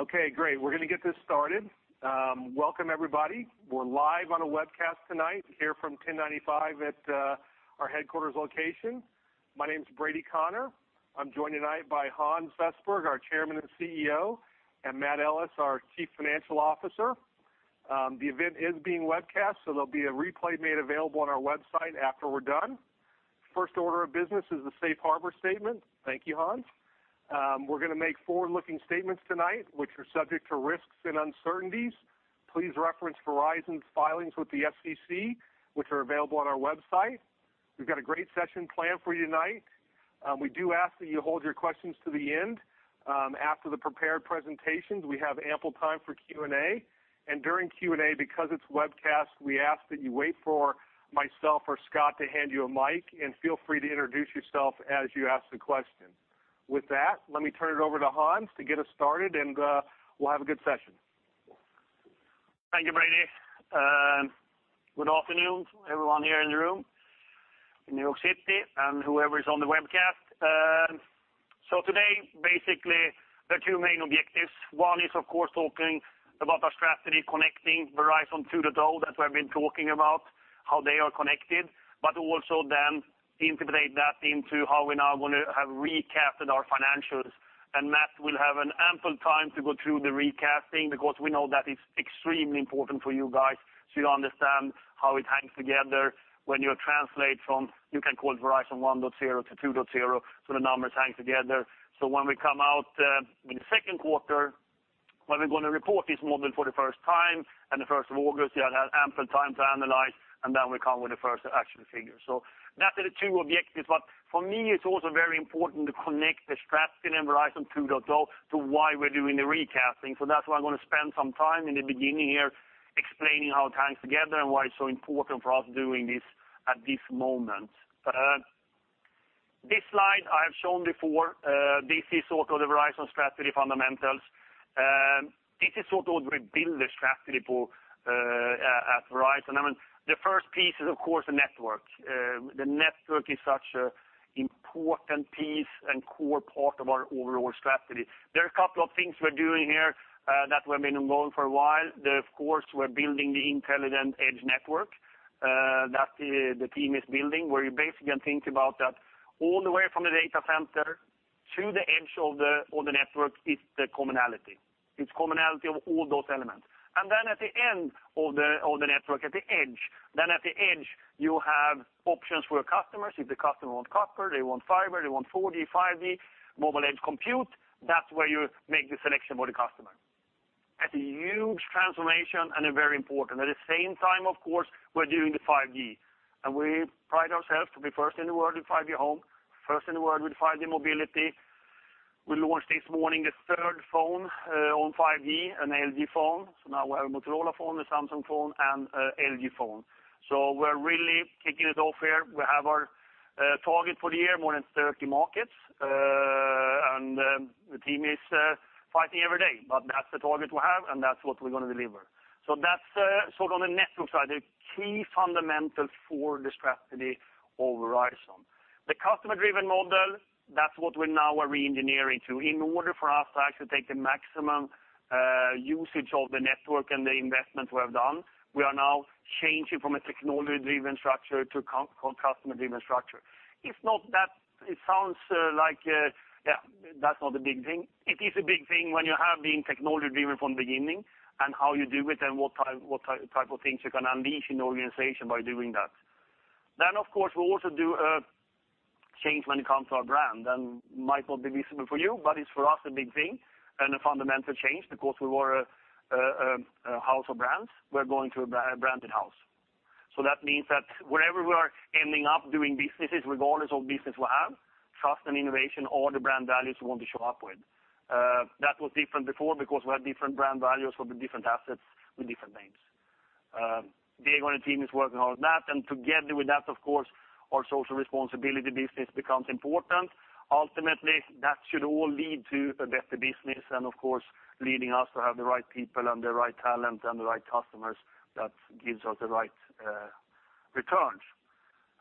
Okay, great. We're going to get this started. Welcome everybody. We're live on a webcast tonight here from 1095 at our headquarters location. My name is Brady Connor. I'm joined tonight by Hans Vestberg, our Chairman and CEO, and Matt Ellis, our Chief Financial Officer. The event is being webcast, there'll be a replay made available on our website after we're done. First order of business is the safe harbor statement. Thank you, Hans. We're going to make forward-looking statements tonight, which are subject to risks and uncertainties. Please reference Verizon's filings with the FCC, which are available on our website. We've got a great session planned for you tonight. We do ask that you hold your questions to the end. After the prepared presentations, we have ample time for Q&A. During Q&A, because it's webcast, we ask that you wait for myself or Scott to hand you a mic, and feel free to introduce yourself as you ask the question. With that, let me turn it over to Hans to get us started and we'll have a good session. Thank you, Brady. Good afternoon, everyone here in the room in New York City and whoever is on the webcast. Today, basically, there are two main objectives. One is, of course, talking about our strategy, connecting Verizon 2.0, that we've been talking about, how they are connected, but also then integrate that into how we now going to have recasted our financials. Matt will have an ample time to go through the recasting because we know that it's extremely important for you guys to understand how it hangs together when you translate from, you can call it Verizon 1.0 to 2.0, the numbers hang together. When we come out in the second quarter, when we're going to report this model for the first time and the 1st of August, you have ample time to analyze, then we come with the first actual figure. That are the two objectives, but for me, it's also very important to connect the strategy and Verizon 2.0 to why we're doing the recasting. That's why I'm going to spend some time in the beginning here explaining how it hangs together and why it's so important for us doing this at this moment. This slide I have shown before, this is sort of the Verizon strategy fundamentals. This is sort of rebuild the strategy at Verizon. I mean, the first piece is, of course, the network. The network is such an important piece and core part of our overall strategy. There are a couple of things we're doing here that we've been involved for a while. Of course, we're building the Intelligent Edge Network, that the team is building, where you think about that all the way from the data center to the edge of the network is the commonality. It's commonality of all those elements. At the end of the network, at the edge, you have options for your customers. If the customer wants copper, they want fiber, they want 4G, 5G, Mobile Edge Compute, that's where you make the selection for the customer. That's a huge transformation and a very important. At the same time, of course, we're doing the 5G. We pride ourselves to be first in the world with 5G Home, first in the world with 5G Mobility. We launched this morning a third phone on 5G, an LG phone. Now we have a Motorola phone, a Samsung phone, and a LG phone. We're really kicking it off here. We have our target for the year, more than 30 markets. The team is fighting every day. That's the target we have, and that's what we're going to deliver. That's sort of the network side, the key fundamentals for the strategy of Verizon. The customer-driven model, that's what we now are re-engineering to. In order for us to take the maximum usage of the network and the investment we have done, we are now changing from a technology-driven structure to a customer-driven structure. It sounds like that's not a big thing. It is a big thing when you have been technology-driven from the beginning and how you do it and what type of things you can unleash in the organization by doing that. Of course, we also do a change when it comes to our brand. Might not be visible for you, but it's for us a big thing and a fundamental change because we were a house of brands. We're going to a branded house. That means that wherever we are ending up doing businesses, regardless of business we have, trust and innovation are the brand values we want to show up with. That was different before because we had different brand values for the different assets with different names. Diego and the team is working on that. Together with that, of course, our social responsibility business becomes important. Ultimately, that should all lead to a better business and of course, leading us to have the right people and the right talent and the right customers that gives us the right returns.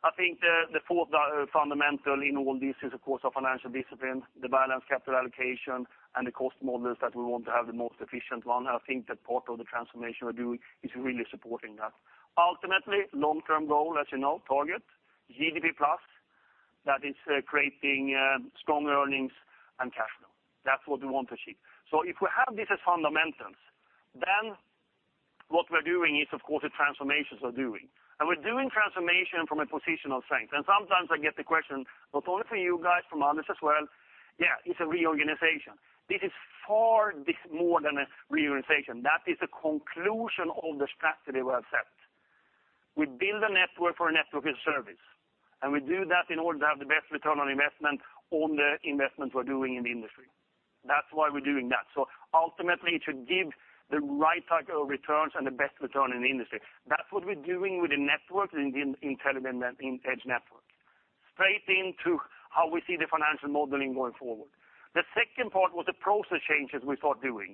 I think the fourth fundamental in all this is, of course, our financial discipline, the balanced capital allocation, and the cost models that we want to have the most efficient one. I think that part of the transformation we're doing is really supporting that. Ultimately, long-term goal, as you know, target, GDP plus, that is creating strong earnings and cash flow. That's what we want to achieve. If we have this as fundamentals, then what we're doing is, of course, the transformations we're doing. We're doing transformation from a position of strength. Sometimes I get the question, not only from you guys, from others as well, yeah, it's a reorganization. This is far more than a reorganization. That is the conclusion of the strategy we have set. We build a network for a network as a service, we do that in order to have the best return on investment on the investment we're doing in the industry. That's why we're doing that. Ultimately, it should give the right type of returns and the best return in the industry. That's what we're doing with the network and the Intelligent Edge Network. Straight into how we see the financial modeling going forward. The second part was the process changes we thought doing.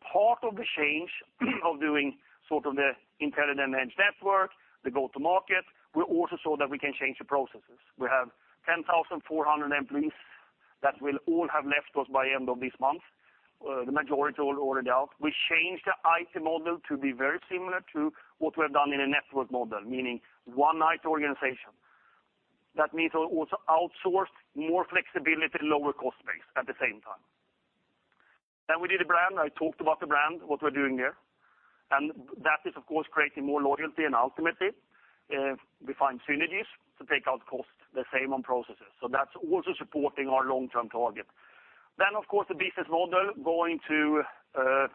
Part of the change of doing the Intelligent Edge Network, the go-to-market, we also saw that we can change the processes. We have 10,400 employees that will all have left us by end of this month. The majority already out. We changed the IT model to be very similar to what we have done in a network model, meaning one IT organization. That means also outsourced, more flexibility, lower cost base at the same time. We did a brand. I talked about the brand, what we're doing there. That is, of course, creating more loyalty and ultimately, we find synergies to take out cost, the same on processes. That's also supporting our long-term target. Of course, the business model going to a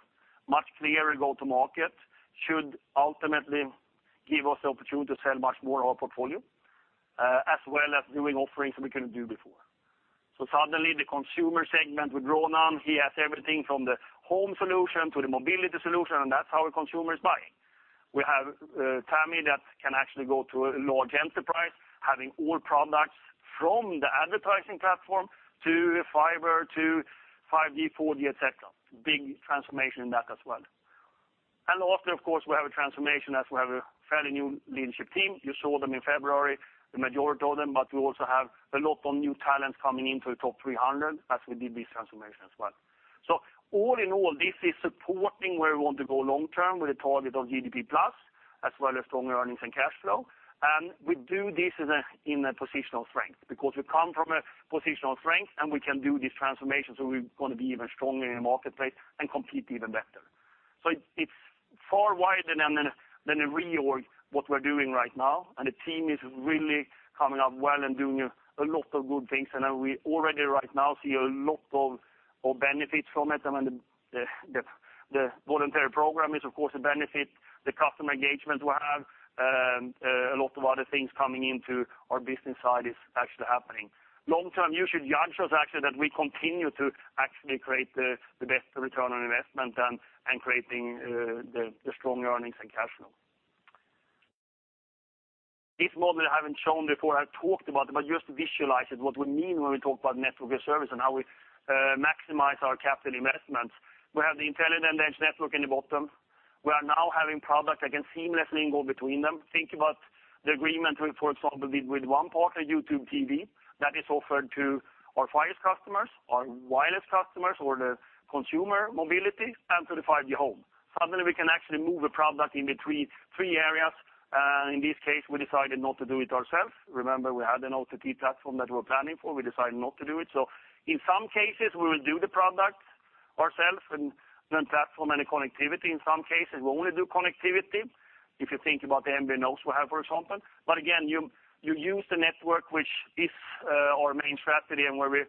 much clearer go-to-market should ultimately give us the opportunity to sell much more of our portfolio, as well as doing offerings that we couldn't do before. Suddenly the consumer segment with Ronan, he has everything from the home solution to the mobility solution, and that's how a consumer is buying. We have Tami that can actually go to a large enterprise, having all products from the advertising platform to fiber to 5G, 4G, et cetera. Big transformation in that as well. Lastly, of course, we have a transformation as we have a fairly new leadership team. You saw them in February, the majority of them, but we also have a lot of new talent coming into the top 300 as we did this transformation as well. All in all, this is supporting where we want to go long-term with a target of GDP plus, as well as strong earnings and cash flow. We do this in a positional strength because we come from a positional strength and we can do this transformation, so we're going to be even stronger in the marketplace and compete even better. It's far wider than a reorg, what we're doing right now, the team is really coming up well and doing a lot of good things. We already right now see a lot of benefits from it. The voluntary program is of course a benefit. The customer engagement we have, a lot of other things coming into our business side is actually happening. Long-term, you should judge us actually that we continue to actually create the best return on investment and creating the strong earnings and cash flow. This model I haven't shown before. I've talked about it, but just to visualize it, what we mean when we talk about network as a service and how we maximize our capital investments. We have the Intelligent Edge Network in the bottom. We are now having products that can seamlessly go between them. Think about the agreement, for example, with one partner, YouTube TV, that is offered to our Fios customers, our wireless customers, or the consumer mobility, and to the 5G Home. Suddenly, we can actually move a product in between three areas. In this case, we decided not to do it ourselves. Remember, we had an OTT platform that we were planning for, we decided not to do it. In some cases, we will do the product ourselves and then platform and the connectivity. In some cases, we only do connectivity. If you think about the MVNOs we have, for example. Again, you use the network, which is our main strategy and where we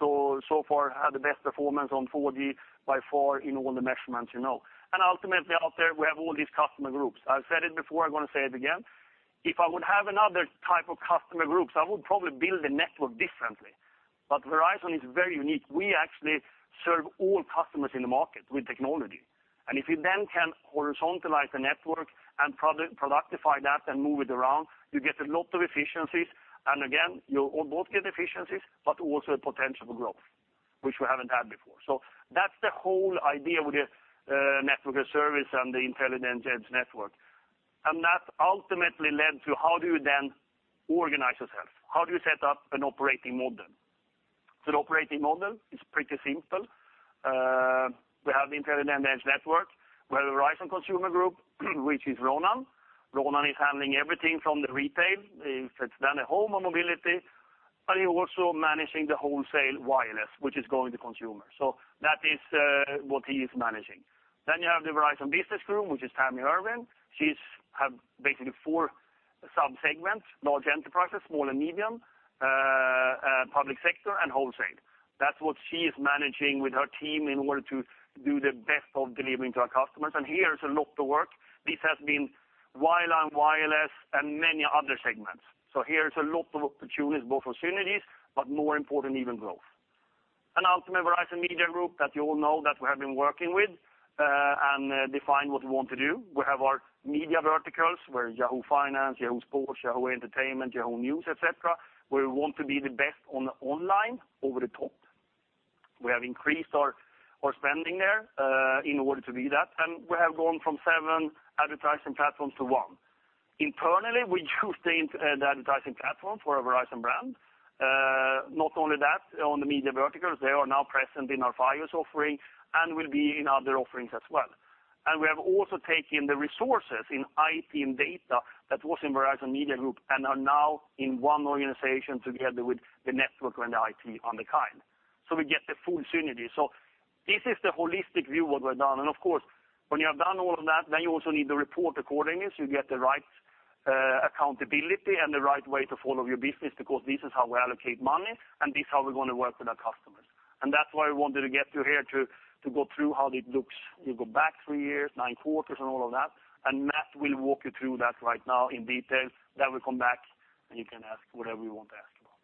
so far have the best performance on 4G by far in all the measurements you know. Ultimately out there, we have all these customer groups. I've said it before, I'm going to say it again. If I would have another type of customer groups, I would probably build the network differently. Verizon is very unique. We actually serve all customers in the market with technology. If you then can horizontalize the network and productify that and move it around, you get a lot of efficiencies. Again, you both get efficiencies, but also a potential growth, which we haven't had before. That's the whole idea with the network as service and the Intelligent Edge Network. That ultimately led to how do you then organize yourself? How do you set up an operating model? The operating model is pretty simple. We have the Intelligent Edge Network. We have the Verizon Consumer Group, which is Ronan. Ronan is handling everything from the retail. If it's done at home or mobility, and he's also managing the wholesale wireless, which is going to consumer. That is what he is managing. You have the Verizon Business Group, which is Tami Erwin. She has basically four sub-segments, large enterprises, small and medium, public sector, and wholesale. That's what she is managing with her team in order to do the best of delivering to our customers. Here is a lot of work. This has been wireline, wireless, and many other segments. Here is a lot of opportunities, both for synergies, but more important, even growth. Ultimate Verizon Media Group that you all know that we have been working with, and define what we want to do. We have our media verticals where Yahoo Finance, Yahoo Sports, Yahoo Entertainment, Yahoo News, et cetera, where we want to be the best on the online over the top. We have increased our spending there in order to do that, and we have gone from seven advertising platforms to one. Internally, we use the advertising platform for our Verizon brand. Not only that, on the media verticals, they are now present in our Fios offering and will be in other offerings as well. We have also taken the resources in IT and data that was in Verizon Media Group and are now in one organization together with the network and the IT on the core. We get the full synergy. This is the holistic view what we've done. Of course, when you have done all of that, then you also need to report accordingly so you get the right accountability and the right way to follow your business because this is how we allocate money, and this is how we're going to work with our customers. That's why I wanted to get through here to go through how it looks. You go back three years, nine quarters, and all of that, Matt will walk you through that right now in detail. We'll come back, and you can ask whatever you want to ask about.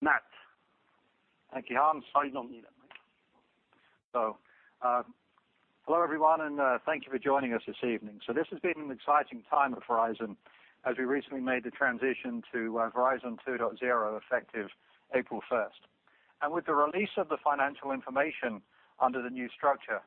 Matt. Thank you, Hans. Sorry, you don't need that mic. Hello everyone, thank you for joining us this evening. This has been an exciting time at Verizon as we recently made the transition to Verizon 2.0 effective April 1st. With the release of the financial information under the new structure,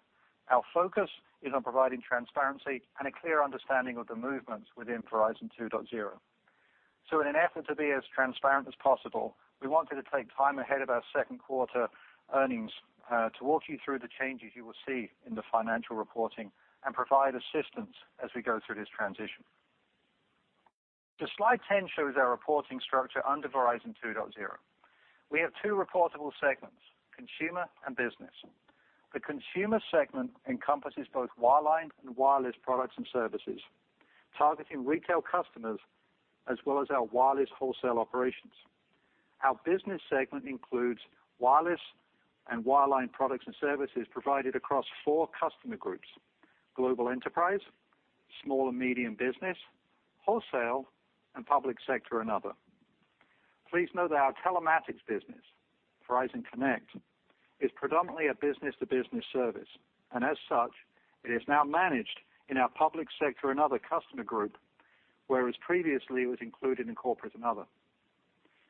our focus is on providing transparency and a clear understanding of the movements within Verizon 2.0. In an effort to be as transparent as possible, we wanted to take time ahead of our second quarter earnings to walk you through the changes you will see in the financial reporting and provide assistance as we go through this transition. Slide 10 shows our reporting structure under Verizon 2.0. We have two reportable segments, consumer and business. The consumer segment encompasses both wireline and wireless products and services, targeting retail customers as well as our wireless wholesale operations. Our business segment includes wireless and wireline products and services provided across four customer groups, global enterprise, small and medium business, wholesale, and public sector and other. Please note that our telematics business, Verizon Connect, is predominantly a business-to-business service, and as such, it is now managed in our public sector and other customer group, whereas previously it was included in corporate and other.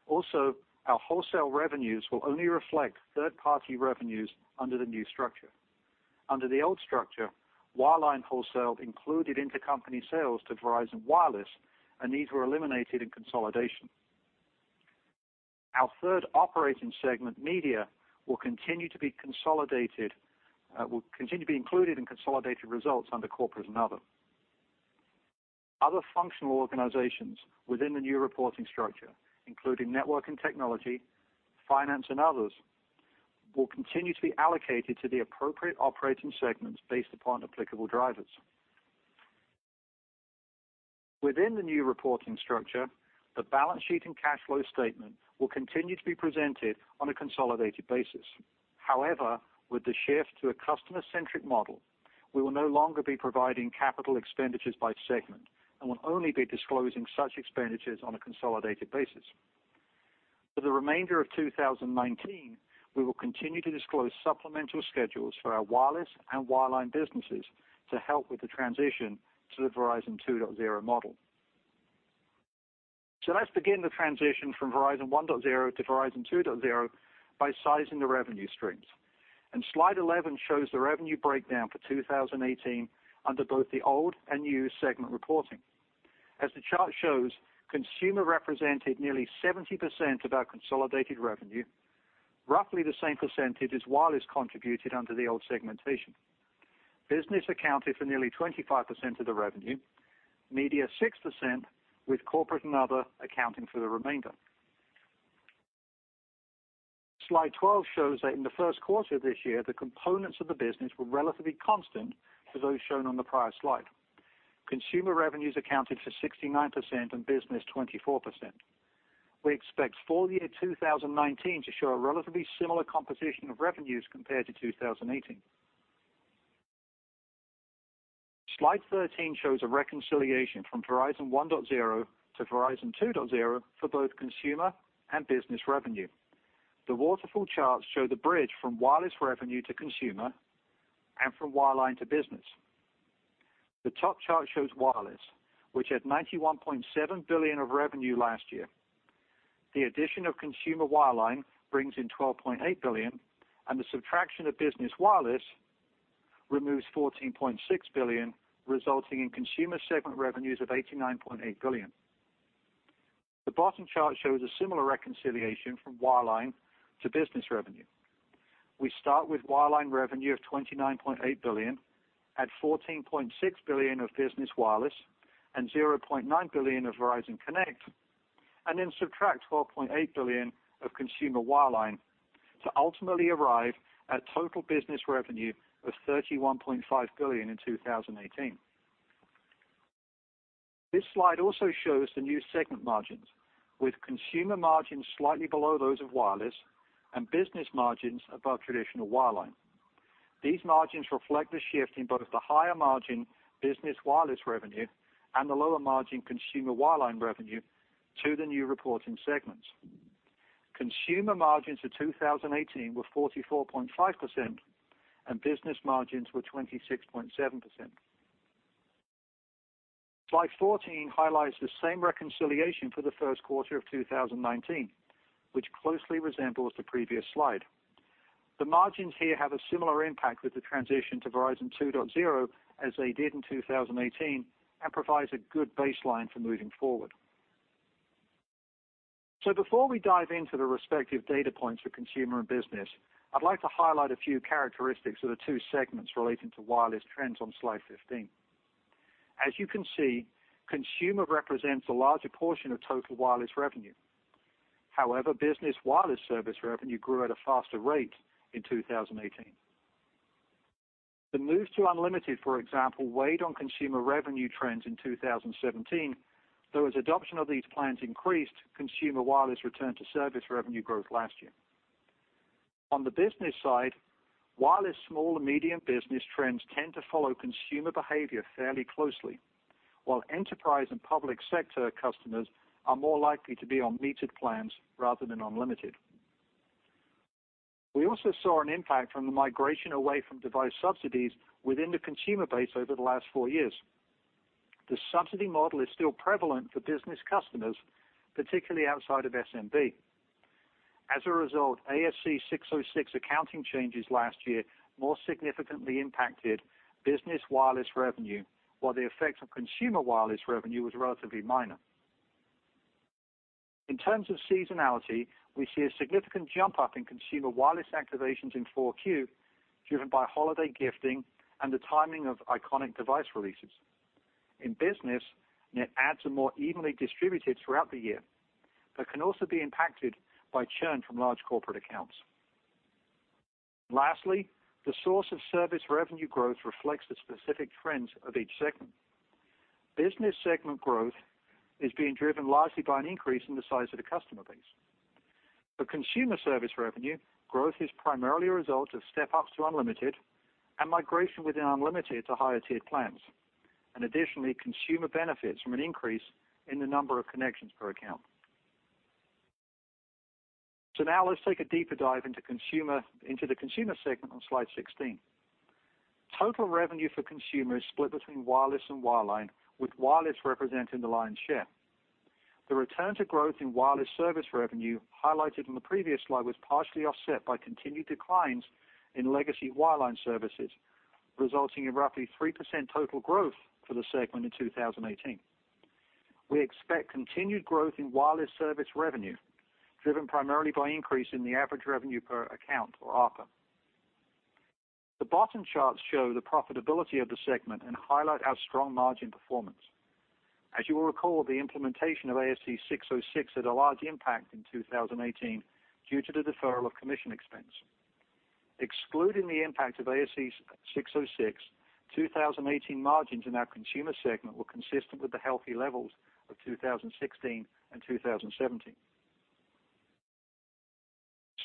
Also, our wholesale revenues will only reflect third-party revenues under the new structure. Under the old structure, wireline wholesale included intercompany sales to Verizon Wireless, and these were eliminated in consolidation. Our third operating segment, media, will continue to be included in consolidated results under corporate and other. Other functional organizations within the new reporting structure, including network and technology, finance and others, will continue to be allocated to the appropriate operating segments based upon applicable drivers. Within the new reporting structure, the balance sheet and cash flow statement will continue to be presented on a consolidated basis. However, with the shift to a customer-centric model, we will no longer be providing capital expenditures by segment and will only be disclosing such expenditures on a consolidated basis. For the remainder of 2019, we will continue to disclose supplemental schedules for our wireless and wireline businesses to help with the transition to the Verizon 2.0 model. Let's begin the transition from Verizon 1.0 to Verizon 2.0 by sizing the revenue streams. Slide 11 shows the revenue breakdown for 2018 under both the old and new segment reporting. As the chart shows, consumer represented nearly 70% of our consolidated revenue, roughly the same percentage as wireless contributed under the old segmentation. Business accounted for nearly 25% of the revenue, media 6%, with corporate and other accounting for the remainder. Slide 12 shows that in the first quarter of this year, the components of the business were relatively constant to those shown on the prior slide. Consumer revenues accounted for 69% and business 24%. We expect full year 2019 to show a relatively similar composition of revenues compared to 2018. Slide 13 shows a reconciliation from Verizon 1.0 to Verizon 2.0 for both consumer and business revenue. The waterfall charts show the bridge from wireless revenue to consumer and from wireline to business. The top chart shows wireless, which had $91.7 billion of revenue last year. The addition of consumer wireline brings in $12.8 billion and the subtraction of business wireless removes $14.6 billion, resulting in consumer segment revenues of $89.8 billion. The bottom chart shows a similar reconciliation from wireline to business revenue. We start with wireline revenue of $29.8 billion, add $14.6 billion of business wireless and $0.9 billion of Verizon Connect, and then subtract $12.8 billion of consumer wireline to ultimately arrive at total business revenue of $31.5 billion in 2018. This slide also shows the new segment margins, with consumer margins slightly below those of wireless and business margins above traditional wireline. These margins reflect the shift in both the higher margin business wireless revenue and the lower margin consumer wireline revenue to the new reporting segments. Consumer margins for 2018 were 44.5% and business margins were 26.7%. Slide 14 highlights the same reconciliation for the first quarter of 2019, which closely resembles the previous slide. The margins here have a similar impact with the transition to Verizon 2.0 as they did in 2018 and provides a good baseline for moving forward. Before we dive into the respective data points for consumer and business, I'd like to highlight a few characteristics of the two segments relating to wireless trends on slide 15. As you can see, consumer represents a larger portion of total wireless revenue. However, business wireless service revenue grew at a faster rate in 2018. The move to unlimited, for example, weighed on consumer revenue trends in 2017, though as adoption of these plans increased, consumer wireless returned to service revenue growth last year. On the business side, wireless small and medium business trends tend to follow consumer behavior fairly closely, while enterprise and public sector customers are more likely to be on metered plans rather than unlimited. We also saw an impact from the migration away from device subsidies within the consumer base over the last four years. The subsidy model is still prevalent for business customers, particularly outside of SMB. As a result, ASC 606 accounting changes last year more significantly impacted business wireless revenue, while the effect on consumer wireless revenue was relatively minor. In terms of seasonality, we see a significant jump up in consumer wireless activations in 4Q, driven by holiday gifting and the timing of iconic device releases. In business, net adds are more evenly distributed throughout the year, but can also be impacted by churn from large corporate accounts. Lastly, the source of service revenue growth reflects the specific trends of each segment. Business segment growth is being driven largely by an increase in the size of the customer base. For consumer service revenue, growth is primarily a result of step-ups to unlimited and migration within unlimited to higher-tiered plans. Additionally, consumer benefits from an increase in the number of connections per account. Now let's take a deeper dive into the consumer segment on slide 16. Total revenue for consumer is split between wireless and wireline, with wireless representing the lion's share. The return to growth in wireless service revenue highlighted on the previous slide was partially offset by continued declines in legacy wireline services, resulting in roughly 3% total growth for the segment in 2018. We expect continued growth in wireless service revenue, driven primarily by an increase in the average revenue per account or ARPA. The bottom charts show the profitability of the segment and highlight our strong margin performance. As you will recall, the implementation of ASC 606 had a large impact in 2018 due to the deferral of commission expense. Excluding the impact of ASC 606, 2018 margins in our consumer segment were consistent with the healthy levels of 2016 and 2017.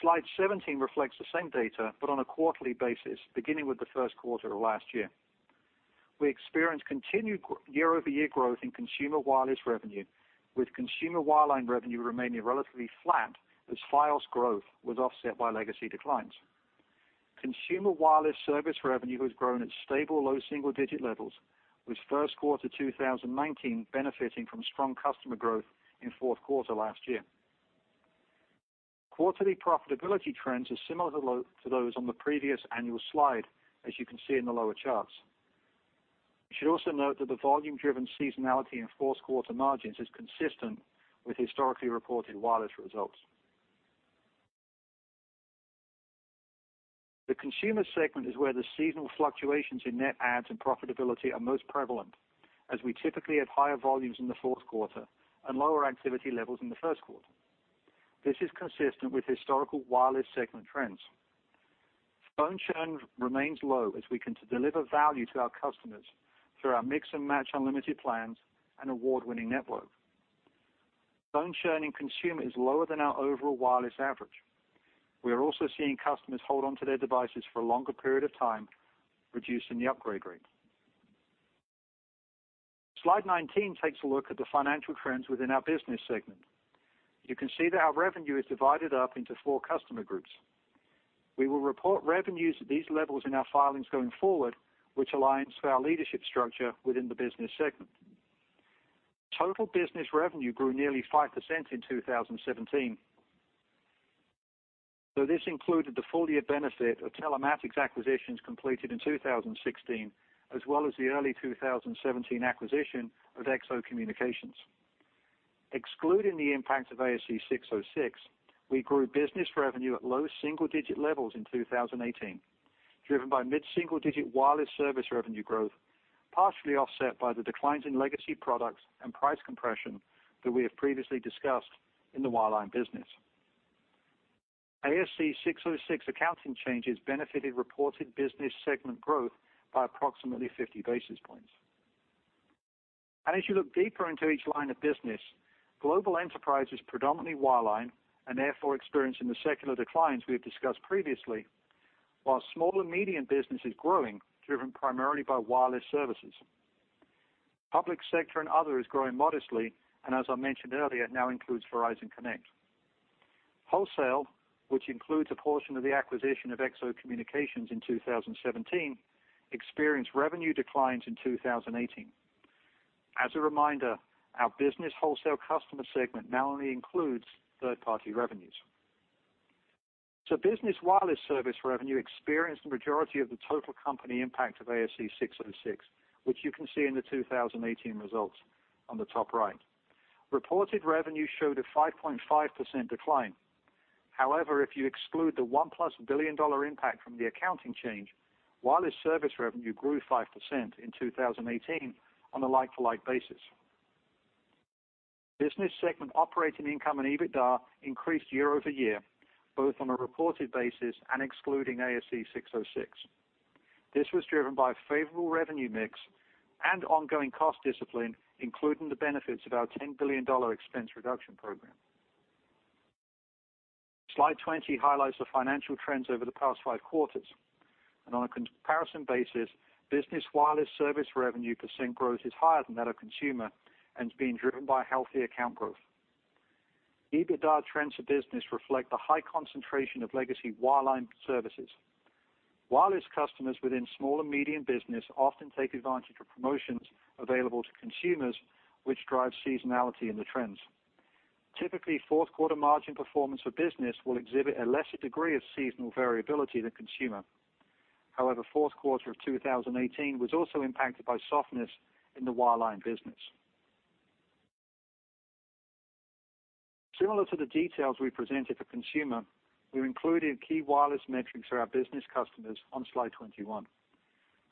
Slide 17 reflects the same data, but on a quarterly basis, beginning with the first quarter of last year. We experienced continued year-over-year growth in consumer wireless revenue, with consumer wireline revenue remaining relatively flat as Fios growth was offset by legacy declines. Consumer wireless service revenue has grown at stable low double-digit levels, with first quarter 2019 benefiting from strong customer growth in fourth quarter last year. Quarterly profitability trends are similar to those on the previous annual slide, as you can see in the lower charts. You should also note that the volume-driven seasonality in fourth quarter margins is consistent with historically reported wireless results. The consumer segment is where the seasonal fluctuations in net adds and profitability are most prevalent, as we typically have higher volumes in the fourth quarter and lower activity levels in the first quarter. This is consistent with historical wireless segment trends. Phone churn remains low as we continue to deliver value to our customers through our mix-and-match unlimited plans and award-winning network. Phone churning consumer is lower than our overall wireless average. We are also seeing customers hold on to their devices for a longer period of time, reducing the upgrade rate. Slide 19 takes a look at the financial trends within our business segment. You can see that our revenue is divided up into four customer groups. We will report revenues at these levels in our filings going forward, which aligns with our leadership structure within the business segment. Total business revenue grew nearly 5% in 2017. This included the full-year benefit of Telematics acquisitions completed in 2016, as well as the early 2017 acquisition of XO Communications. Excluding the impact of ASC 606, we grew business revenue at low single-digit levels in 2018, driven by mid-single-digit wireless service revenue growth, partially offset by the declines in legacy products and price compression that we have previously discussed in the wireline business. ASC 606 accounting changes benefited reported business segment growth by approximately 50 basis points. As you look deeper into each line of business, global enterprise is predominantly wireline, and therefore experiencing the secular declines we have discussed previously, while small and medium business is growing, driven primarily by wireless services. Public sector and other is growing modestly, and as I mentioned earlier, now includes Verizon Connect. Wholesale, which includes a portion of the acquisition of XO Communications in 2017, experienced revenue declines in 2018. As a reminder, our business wholesale customer segment now only includes third-party revenues. Business wireless service revenue experienced the majority of the total company impact of ASC 606, which you can see in the 2018 results on the top right. Reported revenue showed a 5.5% decline. However, if you exclude the $1-plus billion impact from the accounting change, wireless service revenue grew 5% in 2018 on a like-to-like basis. Business segment operating income and EBITDA increased year-over-year, both on a reported basis and excluding ASC 606. This was driven by favorable revenue mix and ongoing cost discipline, including the benefits of our $10 billion expense reduction program. Slide 20 highlights the financial trends over the past five quarters. On a comparison basis, business wireless service revenue percent growth is higher than that of consumer and is being driven by healthy account growth. EBITDA trends for business reflect the high concentration of legacy wireline services. Wireless customers within small and medium business often take advantage of promotions available to consumers, which drives seasonality in the trends. Typically, fourth quarter margin performance for business will exhibit a lesser degree of seasonal variability than consumer. However, fourth quarter of 2018 was also impacted by softness in the wireline business. Similar to the details we presented for consumer, we've included key wireless metrics for our business customers on slide 21.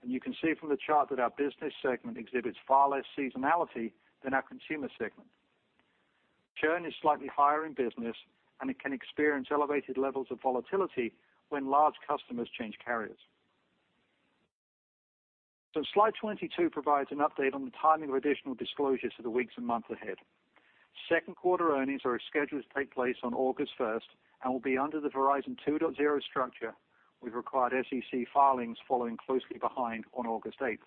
You can see from the chart that our business segment exhibits far less seasonality than our consumer segment. Churn is slightly higher in business, and it can experience elevated levels of volatility when large customers change carriers. Slide 22 provides an update on the timing of additional disclosures for the weeks and months ahead. Second quarter earnings are scheduled to take place on August 1st and will be under the Verizon 2.0 structure, with required SEC filings following closely behind on August 8th.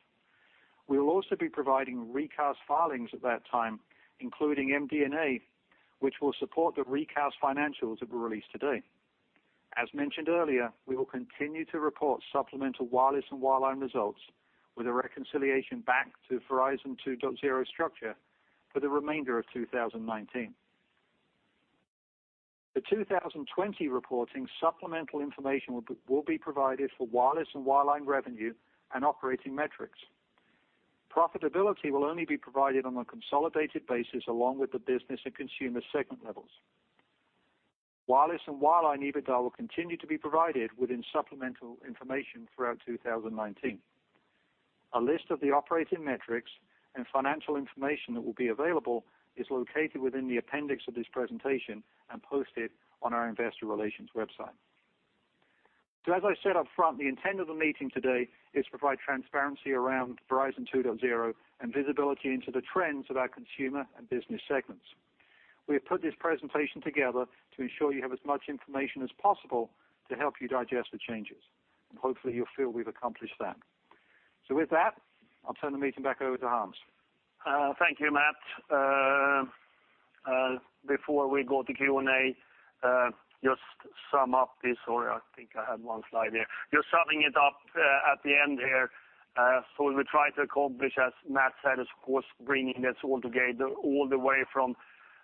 We will also be providing recast filings at that time, including MD&A, which will support the recast financials that were released today. As mentioned earlier, we will continue to report supplemental wireless and wireline results with a reconciliation back to Verizon 2.0 structure for the remainder of 2019. For 2020 reporting, supplemental information will be provided for wireless and wireline revenue and operating metrics. Profitability will only be provided on a consolidated basis, along with the business and consumer segment levels. Wireless and wireline EBITDA will continue to be provided within supplemental information throughout 2019. A list of the operating metrics and financial information that will be available is located within the appendix of this presentation and posted on our investor relations website. As I said up front, the intent of the meeting today is to provide transparency around Verizon 2.0 and visibility into the trends of our consumer and business segments. We have put this presentation together to ensure you have as much information as possible to help you digest the changes, and hopefully you'll feel we've accomplished that. With that, I'll turn the meeting back over to Hans. Thank you, Matt. Before we go to Q&A, just to sum up this, or I think I have one slide here. Just summing it up at the end here. What we try to accomplish, as Matt said, is of course, bringing this all together, all the way from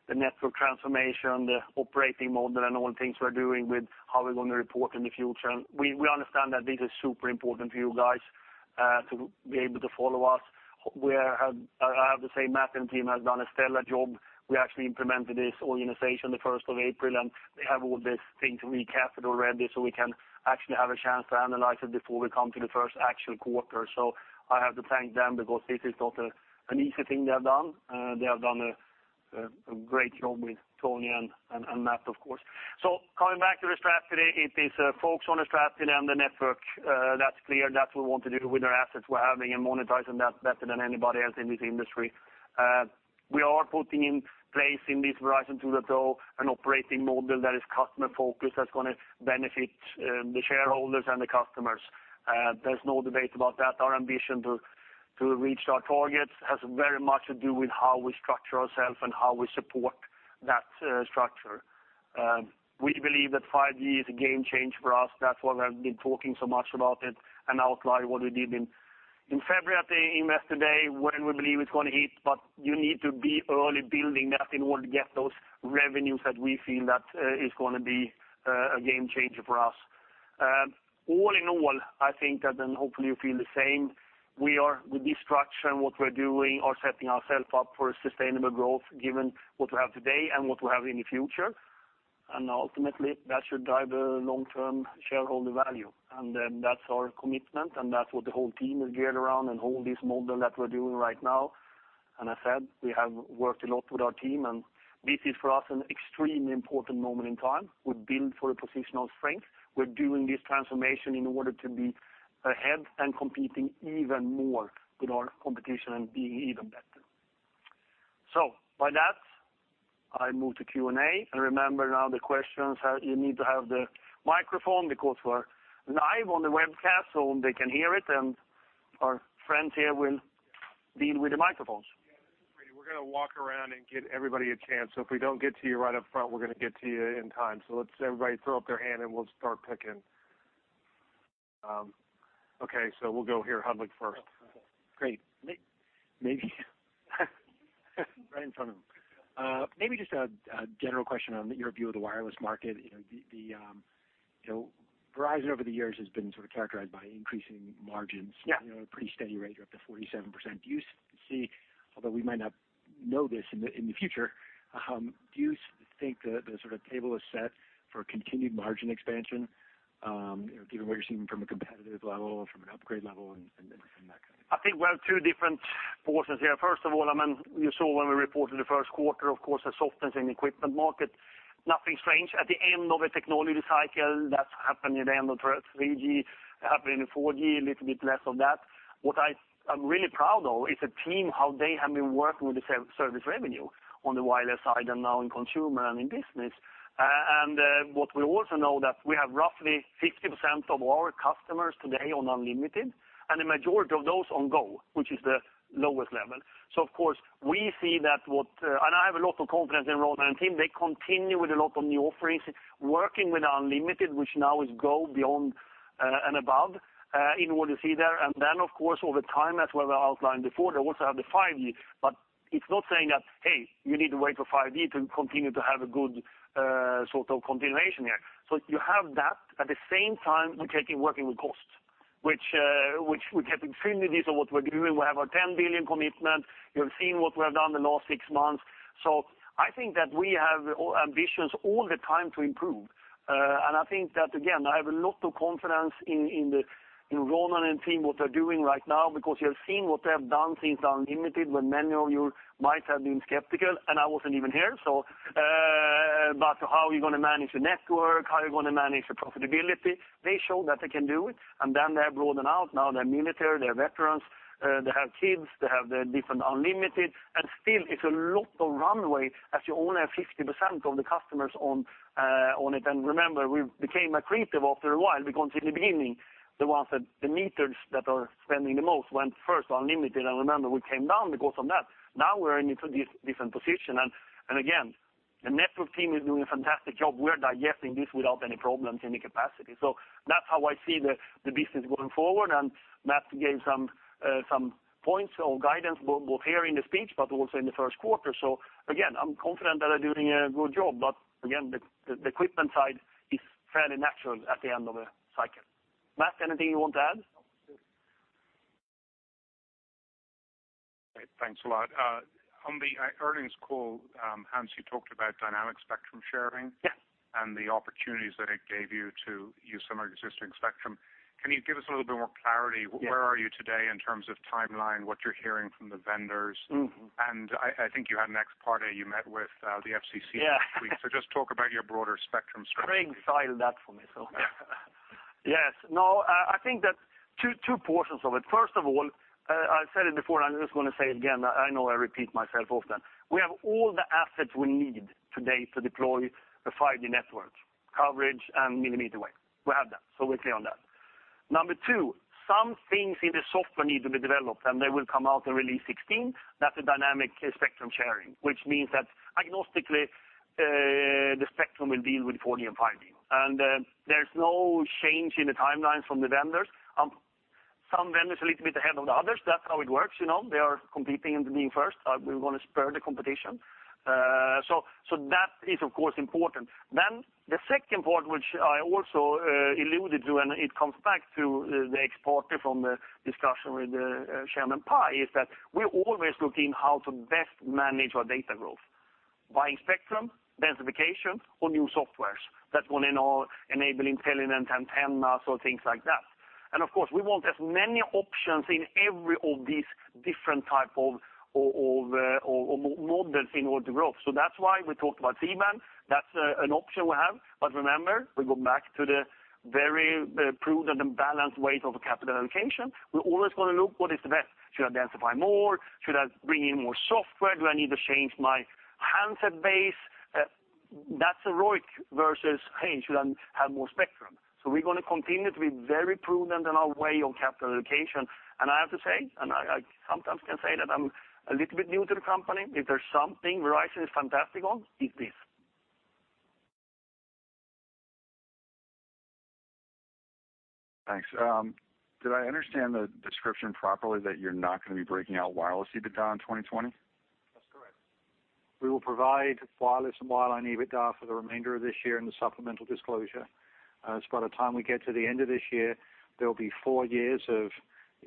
the network transformation, the operating model, and all the things we're doing with how we're going to report in the future. We understand that this is super important for you guys to be able to follow us, where I have to say Matt and team has done a stellar job. We actually implemented this organization the 1st of April, and they have all this thing to recast it already so we can actually have a chance to analyze it before we come to the first actual quarter. I have to thank them because this is not an easy thing they have done. They have done a great job with Tony and Matt, of course. Coming back to the strategy, it is a focus on the strategy and the network. That's clear. That's what we want to do with our assets we're having and monetizing that better than anybody else in this industry. We are putting in place in this Verizon 2.0 an operating model that is customer-focused, that's going to benefit the shareholders and the customers. There's no debate about that. Our ambition to reach our targets has very much to do with how we structure ourselves and how we support that structure. We believe that 5G is a game change for us. That's why we have been talking so much about it and outlined what we did in February at the Investor Day, when we believe it's going to hit. You need to be early building that in order to get those revenues that we feel that is going to be a game changer for us. All in all, I think that, and hopefully you feel the same, with this structure and what we're doing are setting ourselves up for sustainable growth given what we have today and what we have in the future. Ultimately, that should drive the long-term shareholder value. That's our commitment, and that's what the whole team is geared around and all this model that we're doing right now. I said, we have worked a lot with our team, and this is for us an extremely important moment in time. We build for a position of strength. We're doing this transformation in order to be ahead and competing even more with our competition and being even better. With that, I move to Q&A. Remember now the questions, you need to have the microphone because we're live on the webcast so they can hear it, and our friends here will deal with the microphones. Yeah, this is Brady. We're going to walk around and give everybody a chance. If we don't get to you right up front, we're going to get to you in time. Let's everybody throw up their hand and we'll start picking. Okay, we'll go here, Hodulik, first. Great. Maybe right in front of me. Maybe just a general question on your view of the wireless market. Verizon over the years has been sort of characterized by increasing margins. Yeah. At a pretty steady rate, you're up to 47%. Do you see, although we might not know this in the future, do you think the sort of table is set for continued margin expansion? Given what you're seeing from a competitive level, from an upgrade level, and that kind of thing. I think we have two different portions here. First of all, you saw when we reported the first quarter, of course, a softness in equipment market. Nothing strange. At the end of a technology cycle, that's happened at the end of 3G, happened in 4G, a little bit less of that. What I'm really proud of is the team, how they have been working with the service revenue on the wireless side and now in consumer and in business. What we also know that we have roughly 50% of our customers today on unlimited, and the majority of those on Go, which is the lowest level. Of course, we see that I have a lot of confidence in Ronan and team. They continue with a lot of new offerings, working with unlimited, which now is Go, Beyond, and Above, in what you see there. Then, of course, over time, as Ronan outlined before, they also have the 5G. It's not saying that, hey, you need to wait for 5G to continue to have a good sort of continuation here. You have that. At the same time, we're working with costs, which we have infinities of what we're doing. We have our $10 billion commitment. You have seen what we have done in the last six months. I think that we have ambitions all the time to improve. I think that, again, I have a lot of confidence in Ronan and team, what they're doing right now, because you have seen what they have done since unlimited, when many of you might have been skeptical, and I wasn't even here. How are you going to manage the network? How are you going to manage the profitability? They show that they can do it. Then they have broadened out. Now they're military, they're veterans, they have kids, they have the different unlimited. Still, it's a lot of runway as you only have 50% of the customers on it. Remember, we became accretive after a while because in the beginning, the ones that the meters that are spending the most went first unlimited. Remember, we came down because from that. Now we're in a different position. Again, the network team is doing a fantastic job. We're digesting this without any problems in the capacity. That's how I see the business going forward. Matt gave some points or guidance, both here in the speech, but also in the first quarter. Again, I'm confident that they're doing a good job. Again, the equipment side is fairly natural at the end of a cycle. Matt, anything you want to add? No. Great. Thanks a lot. On the earnings call, Hans, you talked about Dynamic Spectrum Sharing. Yes. The opportunities that it gave you to use some of your existing spectrum. Can you give us a little bit more clarity? Yes. Where are you today in terms of timeline, what you're hearing from the vendors? I think you had an ex parte, you met with the FCC this week. Yeah. Just talk about your broader spectrum strategy. Craig filed that for me, so. Yeah. Yes. No, I think that two portions of it. First of all, I said it before, and I'm just going to say it again. I know I repeat myself often. We have all the assets we need today to deploy a 5G network, coverage, and millimeter wave. We have that. We're clear on that. Number two, some things in the software need to be developed, and they will come out in Release 16. That's a Dynamic Spectrum Sharing, which means that agnostically, the spectrum will deal with 4G and 5G. There's no change in the timelines from the vendors. Some vendors a little bit ahead of the others. That's how it works. They are competing in to being first. We want to spur the competition. That is, of course, important. The second part, which I also alluded to, and it comes back to the ex parte from the discussion with Ajit Pai, is that we're always looking how to best manage our data growth by spectrum, densification, or new softwares that will in all enable intelligent antennas or things like that. Of course, we want as many options in every of these different type of models in order to grow. That's why we talked about C-band. That's an option we have. Remember, we go back to the very prudent and balanced weight of a capital allocation. We always want to look what is the best. Should I densify more? Should I bring in more software? Do I need to change my handset base? That's a ROIC versus, hey, should I have more spectrum? We're going to continue to be very prudent in our way on capital allocation. I have to say, I sometimes can say that I'm a little bit new to the company, if there's something Verizon is fantastic on, it's this. Thanks. Did I understand the description properly that you're not going to be breaking out wireless EBITDA in 2020? That's correct. We will provide wireless and wireline EBITDA for the remainder of this year in the supplemental disclosure. By the time we get to the end of this year, there'll be four years of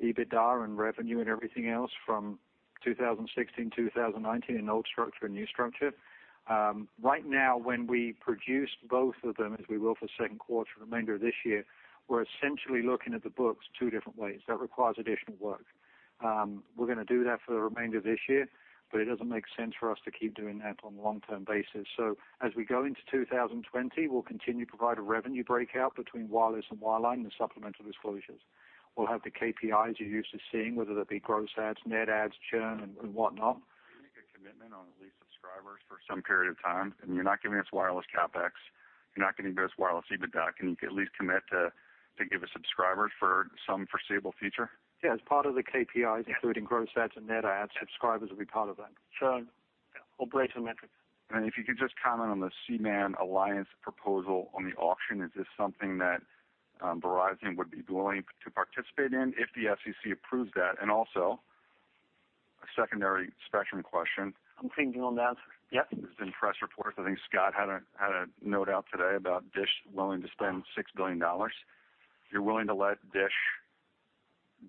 EBITDA and revenue and everything else from 2016, 2019 in old structure and new structure. Right now, when we produce both of them, as we will for second quarter and remainder of this year, we're essentially looking at the books two different ways. That requires additional work. We're going to do that for the remainder of this year, but it doesn't make sense for us to keep doing that on a long-term basis. As we go into 2020, we'll continue to provide a revenue breakout between wireless and wireline in the supplemental disclosures. We'll have the KPIs you're used to seeing, whether that be gross adds, net adds, churn, and whatnot. Can you make a commitment on at least subscribers for some period of time? I mean, you're not giving us wireless CapEx. You're not giving us wireless EBITDA. Can you at least commit to give us subscribers for some foreseeable future? Yeah. As part of the KPIs, including gross adds and net adds, subscribers will be part of that, churn, all breakthrough metrics. If you could just comment on the C-band Alliance proposal on the auction. Is this something that Verizon would be willing to participate in if the FCC approves that? Also, a secondary spectrum question. I'm thinking on that. Yep. There's been press reports, I think Scott had a note out today about Dish willing to spend $6 billion. You're willing to let Dish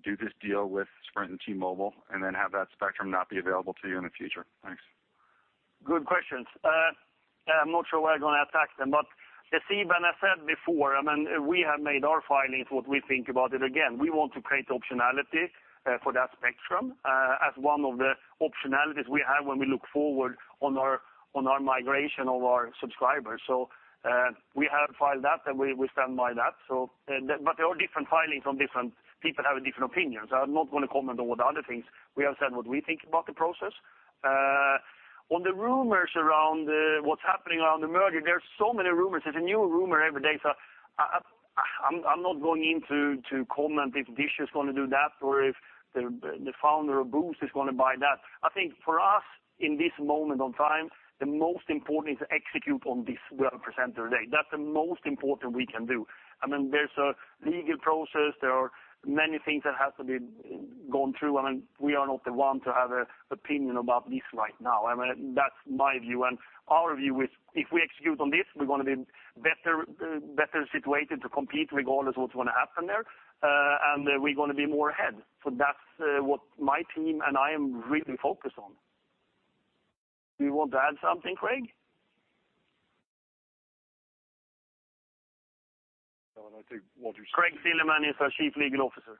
do this deal with Sprint and T-Mobile, and then have that spectrum not be available to you in the future? Thanks. Good questions. I'm not sure where I'm going to attack them, you see, Ben, I said before, we have made our filings, what we think about it. Again, we want to create optionality for that spectrum as one of the optionalities we have when we look forward on our migration of our subscribers. We have filed that, and we stand by that. There are different filings from different people having different opinions. I'm not going to comment on what the other things. We have said what we think about the process. On the rumors around what's happening around the merger, there are so many rumors. There's a new rumor every day, so I'm not going in to comment if Dish is going to do that or if the founder of Boost is going to buy that. I think for us, in this moment of time, the most important is to execute on this what I present today. That's the most important we can do. There's a legal process. There are many things that have to be gone through. We are not the one to have an opinion about this right now. That's my view, and our view is, if we execute on this, we're going to be better situated to compete regardless what's going to happen there. We're going to be more ahead. That's what my team and I am really focused on. Do you want to add something, Craig? No, I think Walter said- Craig Silliman is our Chief Legal Officer.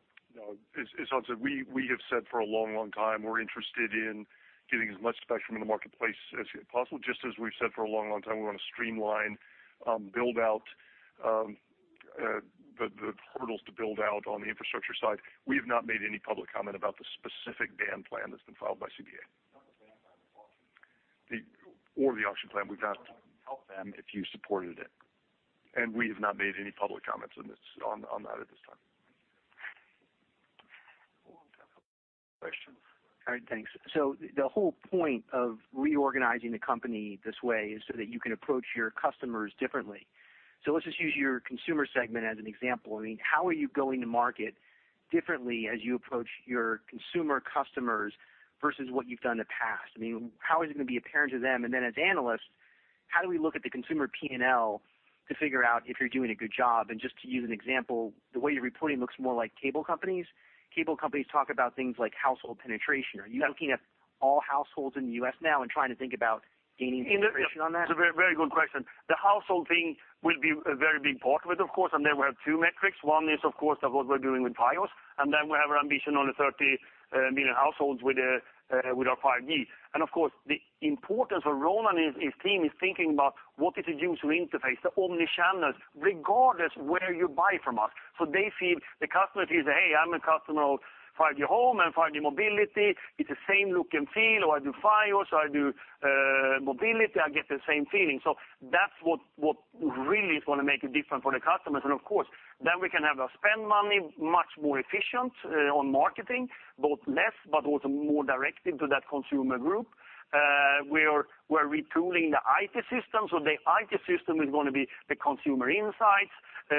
It's odd. We have said for a long time, we're interested in getting as much spectrum in the marketplace as possible. Just as we've said for a long time, we want to streamline, build out the portals to build out on the infrastructure side. We have not made any public comment about the specific band plan that's been filed by CBA. Not the band plan, the auction plan. The auction plan. You could help them if you supported it. We have not made any public comments on that at this time. Questions. All right, thanks. The whole point of reorganizing the company this way is that you can approach your customers differently. Let's just use your consumer segment as an example. How are you going to market differently as you approach your consumer customers versus what you've done in the past? How is it going to be apparent to them? As analysts, how do we look at the consumer P&L to figure out if you're doing a good job? Just to use an example, the way you're reporting looks more like cable companies. Cable companies talk about things like household penetration. Are you looking at all households in the U.S. now and trying to think about gaining penetration on that? It's a very good question. The household thing will be a very big part of it, of course, we have two metrics. One is, of course, that what we're doing with Fios, we have our ambition on the 30 million households with our 5G. Of course, the importance of Ronan and his team is thinking about what is the user interface, the omni-channels, regardless where you buy from us. They feel, the customer feels that, "Hey, I'm a customer of 5G Home and 5G Mobility. It's the same look and feel, or I do Fios, or I do mobility. I get the same feeling." That's what really is going to make it different for the customers. Of course, then we can have our spend money much more efficient on marketing, both less but also more directed to that consumer group. We're retooling the IT system, the IT system is going to be the consumer insights.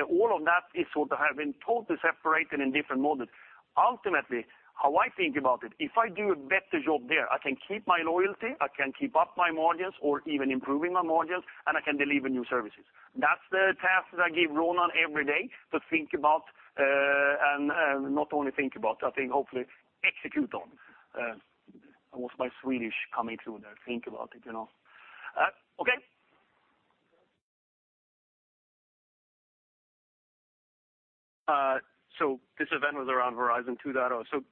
All of that is sort of have been totally separated in different models. Ultimately, how I think about it, if I do a better job there, I can keep my loyalty, I can keep up my margins or even improving my margins, I can deliver new services. That's the task that I give Ronan every day to think about, not only think about, I think hopefully execute on. That was my Swedish coming through there. Think about it. Okay. This event was around Verizon 2.0.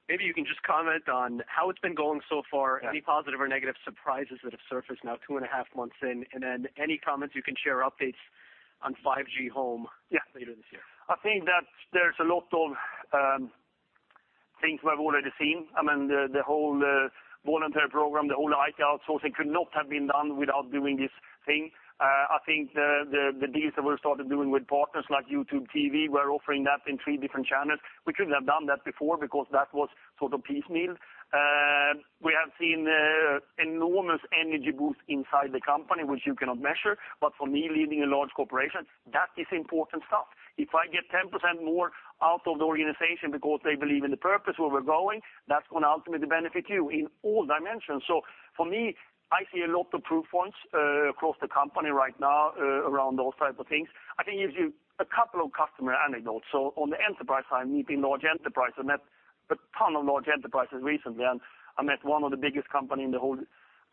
Maybe you can just comment on how it's been going so far. Yeah. Any positive or negative surprises that have surfaced now two and a half months in, any comments you can share or updates on 5G Home later this year? I think that there's a lot of things we have already seen. The whole voluntary program, the whole IT outsourcing could not have been done without doing this thing. I think the deals that we started doing with partners like YouTube TV, we're offering that in three different channels. We couldn't have done that before because that was sort of piecemeal. We have seen enormous energy boost inside the company, which you cannot measure. For me, leading a large corporation, that is important stuff. If I get 10% more out of the organization because they believe in the purpose where we're going, that's going to ultimately benefit you in all dimensions. For me, I see a lot of proof points across the company right now around those types of things. I can give you a couple of customer anecdotes. On the enterprise side, meeting large enterprise, I met a ton of large enterprises recently. I met one of the biggest company in the whole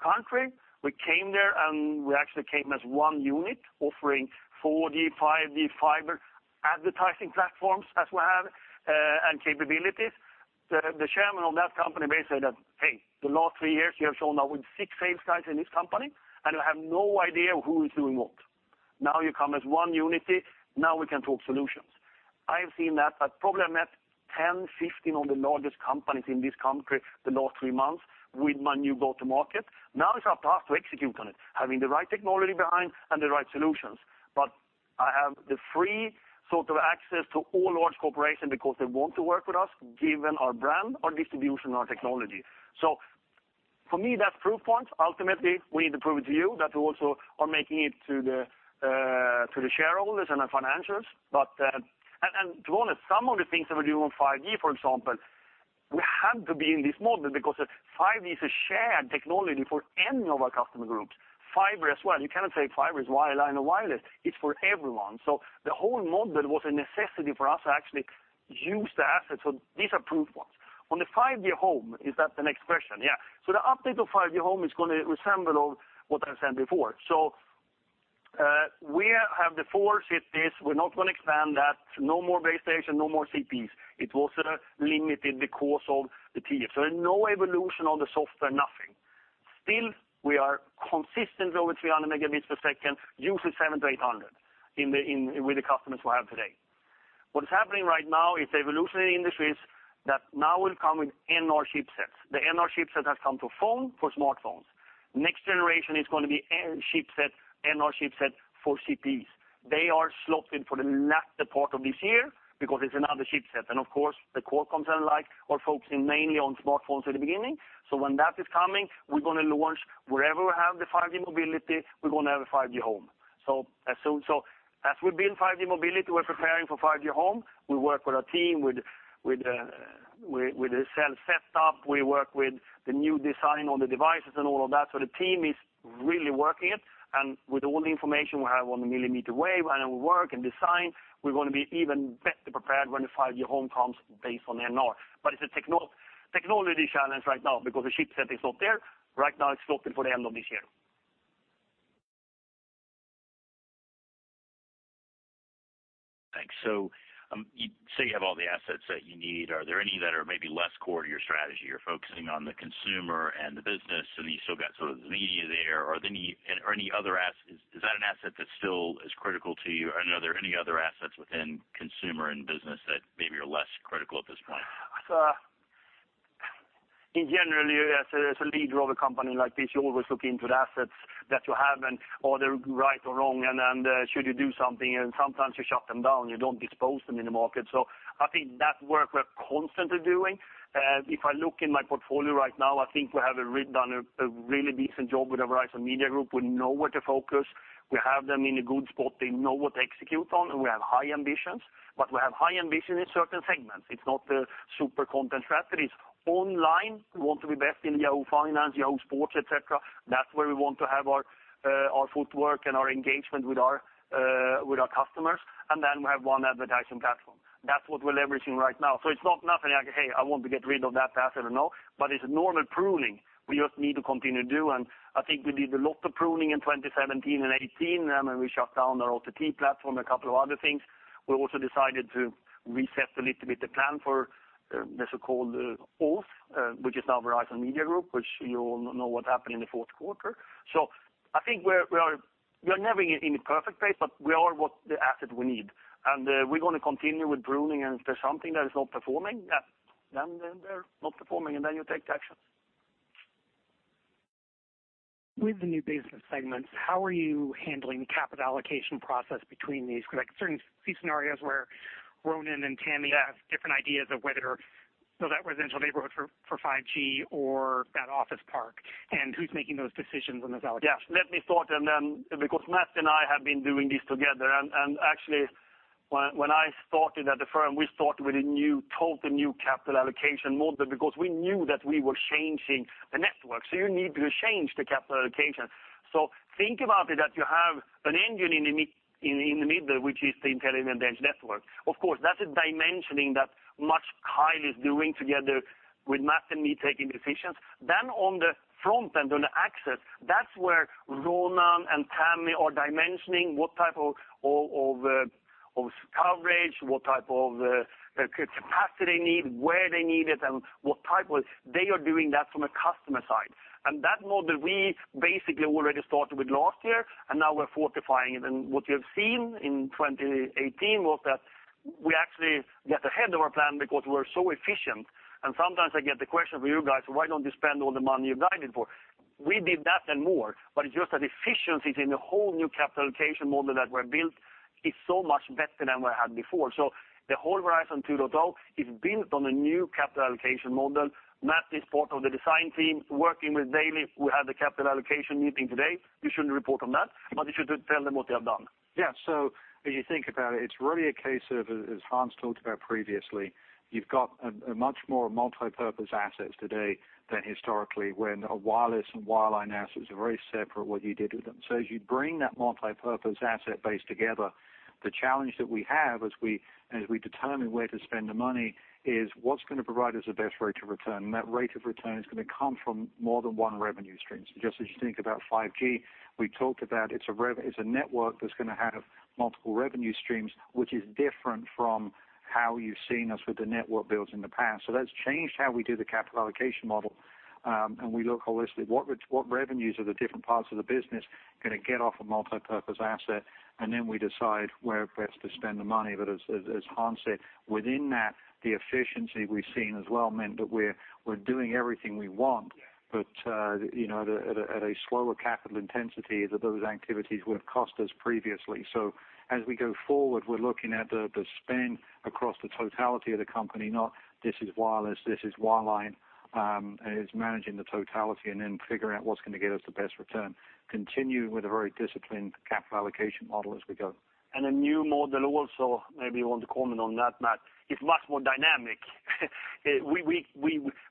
country. We came there, and we actually came as one unit offering 4G, 5G, fiber advertising platforms as we have, and capabilities. The chairman of that company may say that, "Hey, the last three years, you have shown up with six sales guys in this company, and you have no idea who is doing what. Now you come as one unity. We can talk solutions." I've seen that. I've probably met 10, 15 of the largest companies in this country the last three months with my new go-to market. It's our task to execute on it, having the right technology behind and the right solutions. I have the free sort of access to all large corporation because they want to work with us, given our brand, our distribution, our technology. For me, that's proof points. Ultimately, we need to prove it to you that we also are making it to the shareholders and the financials. To be honest, some of the things that we do on 5G, for example. We have to be in this model because 5G is a shared technology for any of our customer groups. Fiber as well. You cannot say fiber is wireline or wireless. It's for everyone. The whole model was a necessity for us to actually use the assets. These are proof points. On the 5G Home, is that the next question? Yeah. The update of 5G Home is going to resemble what I said before. We have the four cities. We're not going to expand that. No more base station, no more CPEs. It was limited because of the TF. No evolution on the software, nothing. Still, we are consistent over 300 megabits per second, using seven to 800 with the customers we have today. What is happening right now is the evolution in the industry is that now will come with NR chipsets. The NR chipset has come to phone for smartphones. Next generation is going to be NR chipset for CPEs. They are slotted for the latter part of this year because it's another chipset. Of course, the core content like are focusing mainly on smartphones at the beginning. When that is coming, we're going to launch wherever we have the 5G Mobility, we're going to have a 5G Home. As we build 5G Mobility, we're preparing for 5G Home. We work with our team, with the cell set up. We work with the new design on the devices and all of that. The team is really working it, and with all the information we have on the millimeter wave and work and design, we're going to be even better prepared when the 5G Home comes based on NR. It's a technology challenge right now because the chipset is not there. Right now, it's slotted for the end of this year. Thanks. You say you have all the assets that you need. Are there any that are maybe less core to your strategy? You're focusing on the consumer and the business, and you still got sort of the media there. Is that an asset that still is critical to you? Are there any other assets within consumer and business that maybe are less critical at this point? In general, as a leader of a company like this, you always look into the assets that you have and are they right or wrong, and should you do something, and sometimes you shut them down, you don't dispose them in the market. I think that work we're constantly doing. If I look in my portfolio right now, I think we have done a really decent job with the Verizon Media Group. We know where to focus. We have them in a good spot. They know what to execute on, and we have high ambitions. We have high ambition in certain segments. It's not a super content strategy. Online, we want to be best in Yahoo Finance, Yahoo Sports, et cetera. That's where we want to have our footwork and our engagement with our customers. Then we have one advertising platform. That's what we're leveraging right now. It's not nothing like, "Hey, I want to get rid of that asset." No. It's a normal pruning we just need to continue to do. I think we did a lot of pruning in 2017 and 2018, when we shut down our OTT platform, a couple of other things. We also decided to reset a little bit the plan for the so-called Oath, which is now Verizon Media Group, which you all know what happened in the fourth quarter. I think we are never in a perfect place, but we are what the asset we need. We're going to continue with pruning, and if there's something that is not performing, then they're not performing, and then you take the action. With the new business segments, how are you handling the capital allocation process between these? I can certainly see scenarios where Ronan and Tami have different ideas of whether, build that residential neighborhood for 5G or that office park, and who's making those decisions on those allocations? Yes. Let me start, because Matt and I have been doing this together, and actually when I started at the firm, we started with a totally new capital allocation model because we knew that we were changing the network. You need to change the capital allocation. Think about it that you have an engine in the middle, which is the Intelligent Edge Network. Of course, that's a dimensioning that much Kyle is doing together with Matt and me taking decisions. On the front end, on the access, that's where Ronan and Tami are dimensioning what type of coverage, what type of capacity they need, where they need it, and what type. They are doing that from a customer side. That model, we basically already started with last year, and now we're fortifying it. What you have seen in 2018 was that we actually got ahead of our plan because we're so efficient. Sometimes I get the question from you guys, why don't you spend all the money you guided for? We did that and more, but it's just that efficiency is in a whole new capital allocation model that we built. It's so much better than what I had before. The whole Verizon 2.0 is built on a new capital allocation model. Matt is part of the design team, working with daily. We had the capital allocation meeting today. You shouldn't report on that, but you should tell them what they have done. Yeah. If you think about it's really a case of, as Hans talked about previously, you've got a much more multipurpose assets today than historically when a wireless and wireline asset is very separate what you did with them. As you bring that multipurpose asset base together, the challenge that we have as we determine where to spend the money is what's going to provide us the best rate of return? That rate of return is going to come from more than one revenue stream. Just as you think about 5G, we talked about it's a network that's going to have multiple revenue streams, which is different from how you've seen us with the network builds in the past. That's changed how we do the capital allocation model. We look holistically at what revenues are the different parts of the business going to get off a multipurpose asset, and then we decide where best to spend the money. But as Hans said, within that, the efficiency we've seen as well meant that we're doing everything we want, but at a slower capital intensity that those activities would have cost us previously. As we go forward, we're looking at the spend across the totality of the company, not this is wireless, this is wireline. It's managing the totality and then figuring out what's going to get us the best return, continuing with a very disciplined capital allocation model as we go. A new model also, maybe you want to comment on that, Matt Ellis. It's much more dynamic.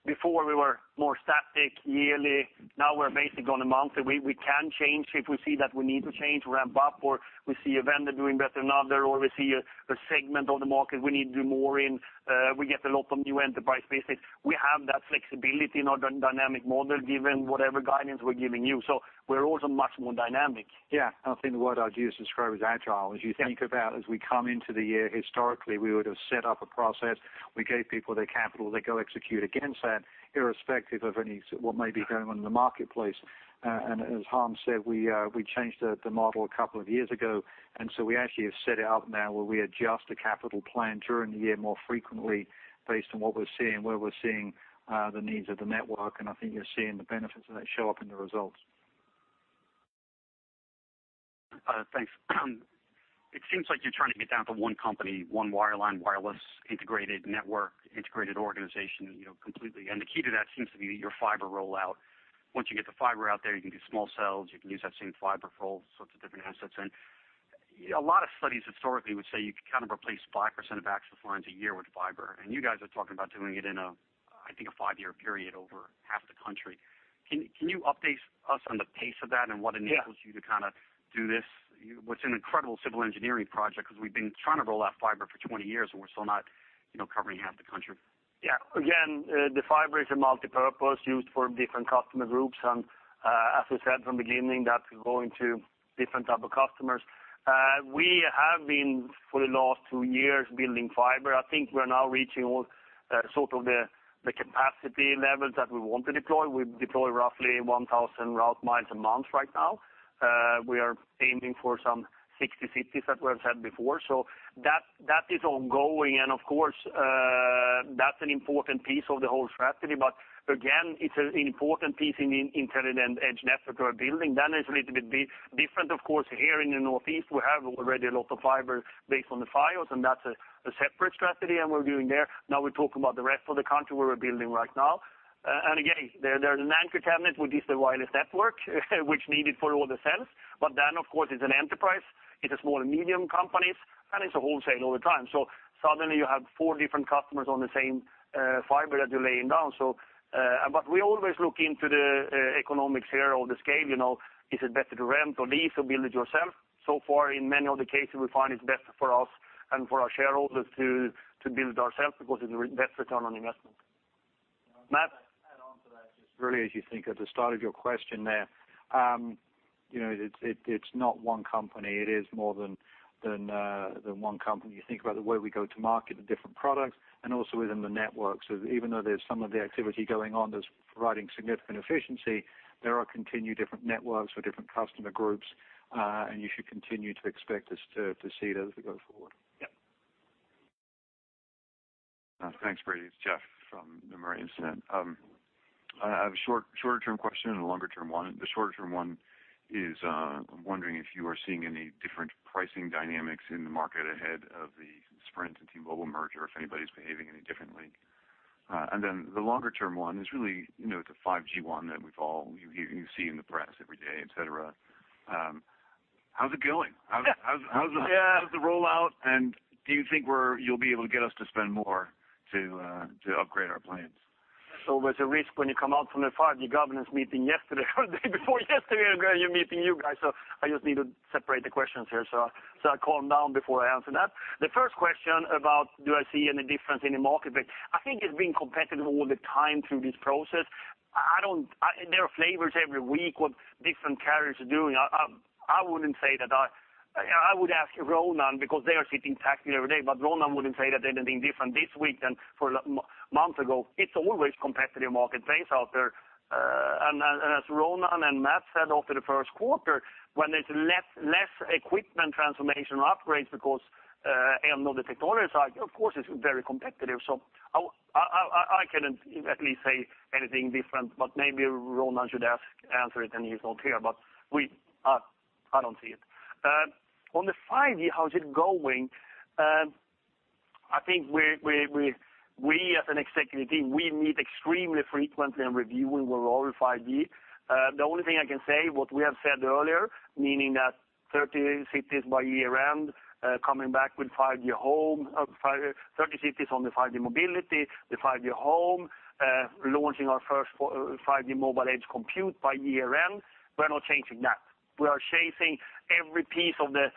Before we were more static yearly. Now we're basically on a monthly. We can change if we see that we need to change, ramp up, or we see a vendor doing better than another, or we see a segment of the market we need to do more in. We get a lot of new enterprise business. We have that flexibility in our dynamic model, given whatever guidance we're giving you. We're also much more dynamic. I think the word I'd use to describe is agile. As you think about as we come into the year, historically, we would've set up a process. We gave people their capital, they go execute against that, irrespective of what may be going on in the marketplace. As Hans Vestberg said, we changed the model a couple of years ago. We actually have set it up now where we adjust the capital plan during the year more frequently based on what we're seeing, where we're seeing the needs of the network. I think you're seeing the benefits of that show up in the results. Thanks. It seems like you're trying to get down to one company, one wireline, wireless, integrated network, integrated organization, completely. The key to that seems to be your fiber rollout. Once you get the fiber out there, you can do small cells. You can use that same fiber for all sorts of different assets. A lot of studies historically would say you could replace 5% of access lines a year with fiber, and you guys are talking about doing it in, I think, a five-year period over half the country. Can you update us on the pace of that and what enables you to do this? What's an incredible civil engineering project, because we've been trying to roll out fiber for 20 years. We're still not covering half the country. Again, the fiber is a multipurpose used for different customer groups. As we said from the beginning, that's going to different types of customers. We have been, for the last two years, building fiber. I think we're now reaching all the capacity levels that we want to deploy. We deploy roughly 1,000 route miles a month right now. We are aiming for some 60 cities that we have said before. That is ongoing. Of course, that's an important piece of the whole strategy. Again, it's an important piece in the Intelligent Edge Network we're building. It's a little bit different, of course, here in the Northeast. We have already a lot of fiber based on the Fios. That's a separate strategy, and we're doing there. Now we're talking about the rest of the country where we're building right now. Again, there's an anchor tenant, which is the wireless network, which needed for all the cells. Then, of course, it's an enterprise, it's a small and medium companies, and it's a wholesale all the time. Suddenly you have four different customers on the same fiber that you're laying down. We always look into the economics here or the scale. Is it better to rent or lease or build it yourself? So far, in many of the cases, we find it's best for us and for our shareholders to build it ourselves because it's a better return on investment. Matt, add on to that, just really as you think at the start of your question there. It's not one company. It is more than one company. You think about the way we go to market, the different products, and also within the networks. Even though there's some of the activity going on that's providing significant efficiency, there are continued different networks for different customer groups, and you should continue to expect us to see those as we go forward. Yeah. Thanks, Brady. It's Jeff from the Nomura Instinet. I have a shorter-term question and a longer-term one. The shorter-term one is, I'm wondering if you are seeing any different pricing dynamics in the market ahead of the Sprint and T-Mobile merger, if anybody's behaving any differently. Then the longer-term one is really, the 5G one that you see in the press every day, et cetera. How's it going? Yeah. How's the rollout, and do you think you'll be able to get us to spend more to upgrade our plans? There's a risk when you come out from the 5G governance meeting yesterday or the day before yesterday, and you're meeting you guys. I just need to separate the questions here. I calm down before I answer that. The first question about do I see any difference in the market, I think it's been competitive all the time through this process. There are flavors every week what different carriers are doing. I would ask Ronan because they are sitting tactical every day, Ronan wouldn't say that anything different this week than four months ago. It's always competitive market things out there. As Ronan and Matt said after the first quarter, when there's less equipment transformation upgrades because no detectors are, of course, it's very competitive. I can at least say anything different, maybe Ronan should answer it, and he's not here. I don't see it. On the 5G, how's it going? I think we as an executive team, we meet extremely frequently and review where we're all with 5G. The only thing I can say, what we have said earlier, meaning that 30 cities by year-end, coming back with 5G Home, 30 cities on the 5G Mobility, the 5G Home, launching our first 5G Mobile Edge Compute by year-end. We're not changing that. We are chasing every piece of the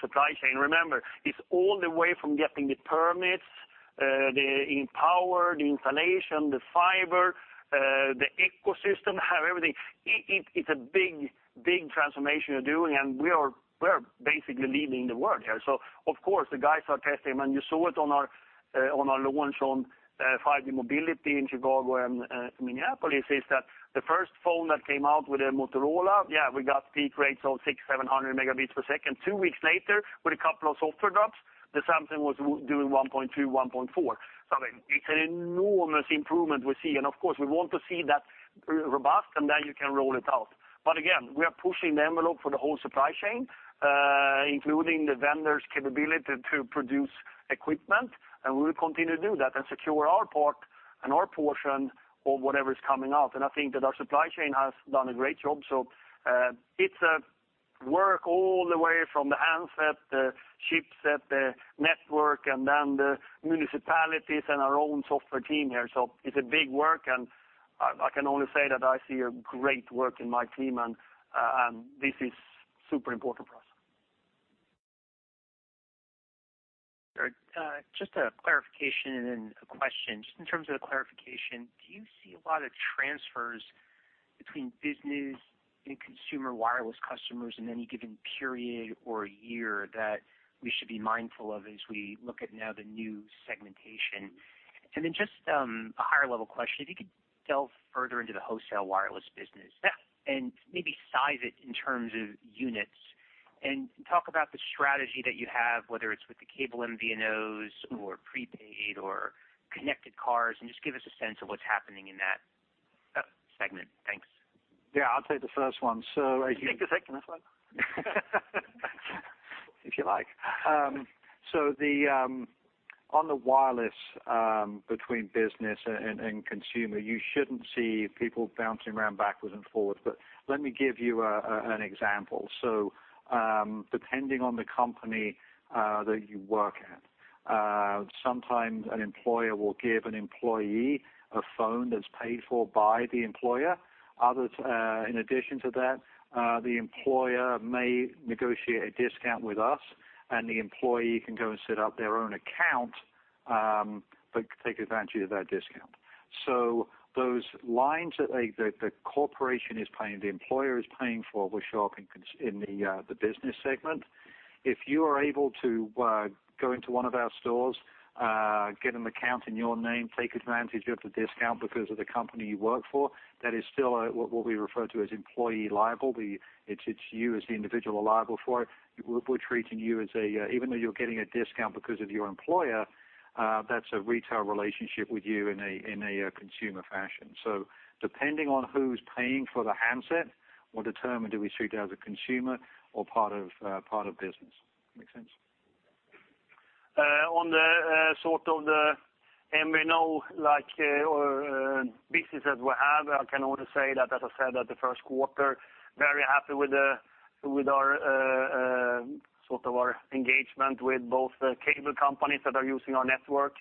supply chain. Remember, it's all the way from getting the permits, the power, the installation, the fiber, the ecosystem, everything. It's a big transformation we're doing, and we're basically leading the world here. Of course, the guys are testing, and you saw it on our launch on 5G Mobility in Chicago and Minneapolis, is that the first phone that came out with a Motorola, yeah, we got peak rates of 600, 700 megabits per second. Two weeks later, with a couple of software drops, the Samsung was doing 1.2, 1.4. It's an enormous improvement we're seeing. Of course, we want to see that robust, then you can roll it out. Again, we are pushing the envelope for the whole supply chain, including the vendor's capability to produce equipment, and we will continue to do that and secure our part and our portion of whatever is coming out. I think that our supply chain has done a great job. It's a work all the way from the handset, the chipset, the network, then the municipalities and our own software team here. It's a big work, I can only say that I see a great work in my team, and this is super important for us. Great. Just a clarification and then a question. Just in terms of the clarification, do you see a lot of transfers between business and consumer wireless customers in any given period or year that we should be mindful of as we look at now the new segmentation? Then just a higher-level question. If you could delve further into the wholesale wireless business, and maybe size it in terms of units, and talk about the strategy that you have, whether it's with the cable MVNOs or prepaid or connected cars, and just give us a sense of what's happening in that segment. Thanks. Yeah, I'll take the first one. I think. You take the second as well. If you like. On the wireless, between business and consumer, you shouldn't see people bouncing around backwards and forwards. Let me give you an example. Depending on the company that you work at, sometimes an employer will give an employee a phone that's paid for by the employer. Others, in addition to that, the employer may negotiate a discount with us, and the employee can go and set up their own account, but take advantage of that discount. Those lines that the corporation is paying, the employer is paying for, will show up in the business segment. If you are able to go into one of our stores, get an account in your name, take advantage of the discount because of the company you work for, that is still what we refer to as employee liable. It's you as the individual are liable for it. We're treating you as a, even though you're getting a discount because of your employer, that's a retail relationship with you in a consumer fashion. Depending on who's paying for the handset will determine, do we treat you as a consumer or part of business. Make sense? On the MVNO-like or business that we have, I can only say that, as I said at the first quarter, very happy with our engagement with both the cable companies that are using our network,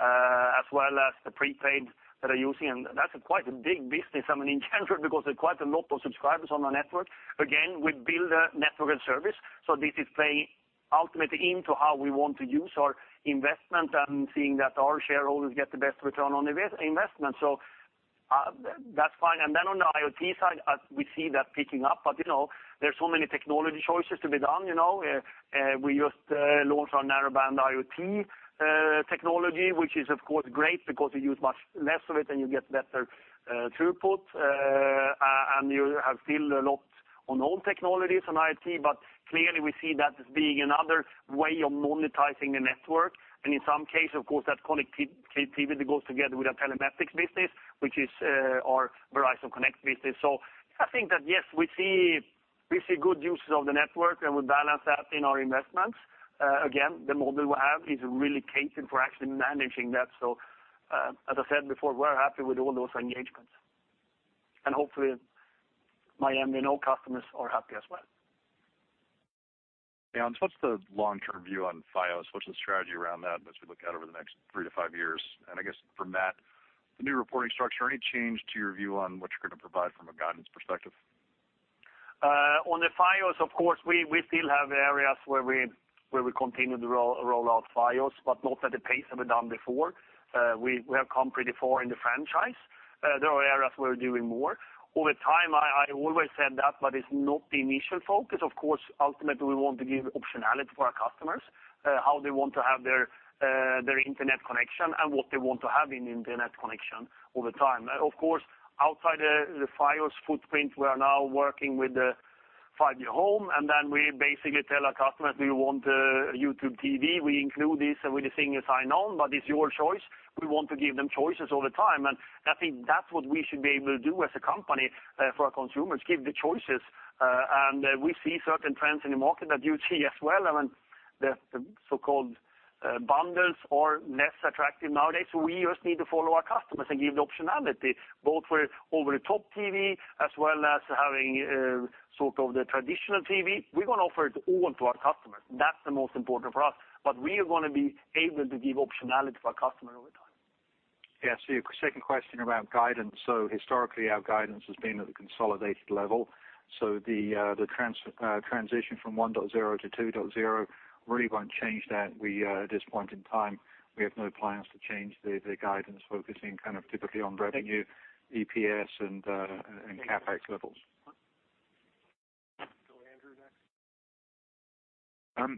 as well as the prepaid that are using. That's quite a big business in general, because there's quite a lot of subscribers on our network. Again, we build a network and service. This is playing ultimately into how we want to use our investment and seeing that our shareholders get the best return on investment. That's fine. On the IoT side, we see that picking up. There's so many technology choices to be done. We just launched our Narrowband IoT technology, which is of course great because you use much less of it, and you get better throughput, and you have still a lot on all technologies on IoT. Clearly, we see that as being another way of monetizing the network. In some case, of course, that connectivity goes together with our telematics business, which is our Verizon Connect business. I think that, yes, we see good uses of the network, and we balance that in our investments. Again, the model we have is really catered for actually managing that. As I said before, we're happy with all those engagements. Hopefully my MVNO customers are happy as well. Hans, what's the long-term view on Fios? What's the strategy around that as we look out over the next three to five years? I guess from that, the new reporting structure, any change to your view on what you're going to provide from a guidance perspective? On the Fios, of course, we still have areas where we continue to roll out Fios, but not at the pace that we've done before. We have come pretty far in the franchise. There are areas where we're doing more. Over time, I always said that, but it's not the initial focus. Of course, ultimately, we want to give optionality to our customers, how they want to have their internet connection and what they want to have in internet connection all the time. Of course, outside the Fios footprint, we are now working with the 5G Home, then we basically tell our customers, "Do you want YouTube TV? We include this with the thing you sign on, but it's your choice." We want to give them choices all the time. I think that's what we should be able to do as a company for our consumers, give the choices. We see certain trends in the market that you see as well, the so-called bundles are less attractive nowadays. We just need to follow our customers and give the optionality, both for over-the-top TV, as well as having the traditional TV. We're going to offer it all to our customers. That's the most important for us. We are going to be able to give optionality to our customer over time. Yeah. Your second question around guidance. Historically, our guidance has been at the consolidated level. The transition from 1.0 to 2.0 really won't change that. At this point in time, we have no plans to change the guidance focusing kind of typically on revenue, EPS, and CapEx levels. Go Andrew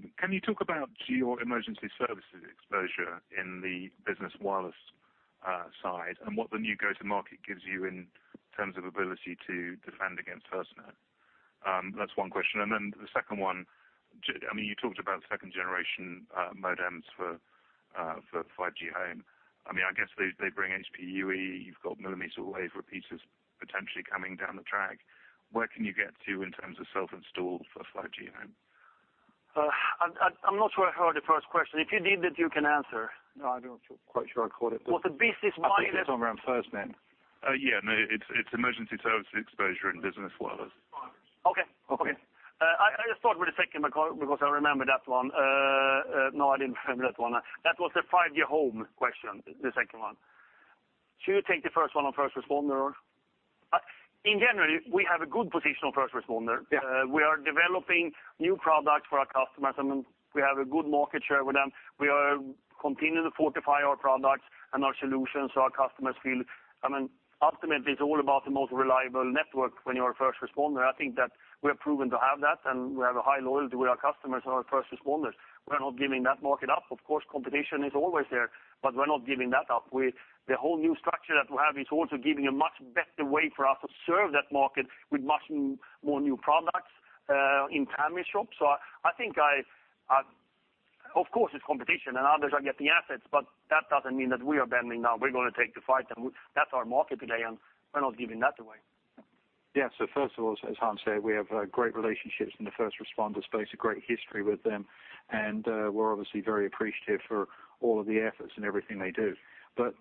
next. Can you talk about your emergency services exposure in the business wireless side, and what the new go to market gives you in terms of ability to defend against FirstNet? That's one question. Then the second one, you talked about second generation modems for 5G Home. I guess they bring HPUE. You've got millimeter wave repeaters potentially coming down the track. Where can you get to in terms of self-install for 5G Home? I'm not sure I heard the first question. If you did, you can answer. No, I'm not quite sure I caught it. Well, the business line is- I think it's Tom around first, then. Yeah. No, it's emergency services exposure in business wireless. Okay. I just thought with the second, because I remember that one. No, I didn't remember that one. That was the 5G Home question, the second one. Should you take the first one on first responder? In general, we have a good position on first responder. Yeah. We are developing new products for our customers, and we have a good market share with them. We are continuing to fortify our products and our solutions so our customers. Ultimately, it's all about the most reliable network when you're a first responder. I think that we are proven to have that, and we have a high loyalty with our customers and our first responders. We're not giving that market up. Of course, competition is always there, but we're not giving that up. The whole new structure that we have is also giving a much better way for us to serve that market with much more new products in TAMI shops. I think, of course, it's competition and others will get the assets, but that doesn't mean that we are bending. No, we're going to take the fight to them. That's our market today, and we're not giving that away. Yeah. First of all, as Hans said, we have great relationships in the first responder space, a great history with them, and we're obviously very appreciative for all of the efforts and everything they do.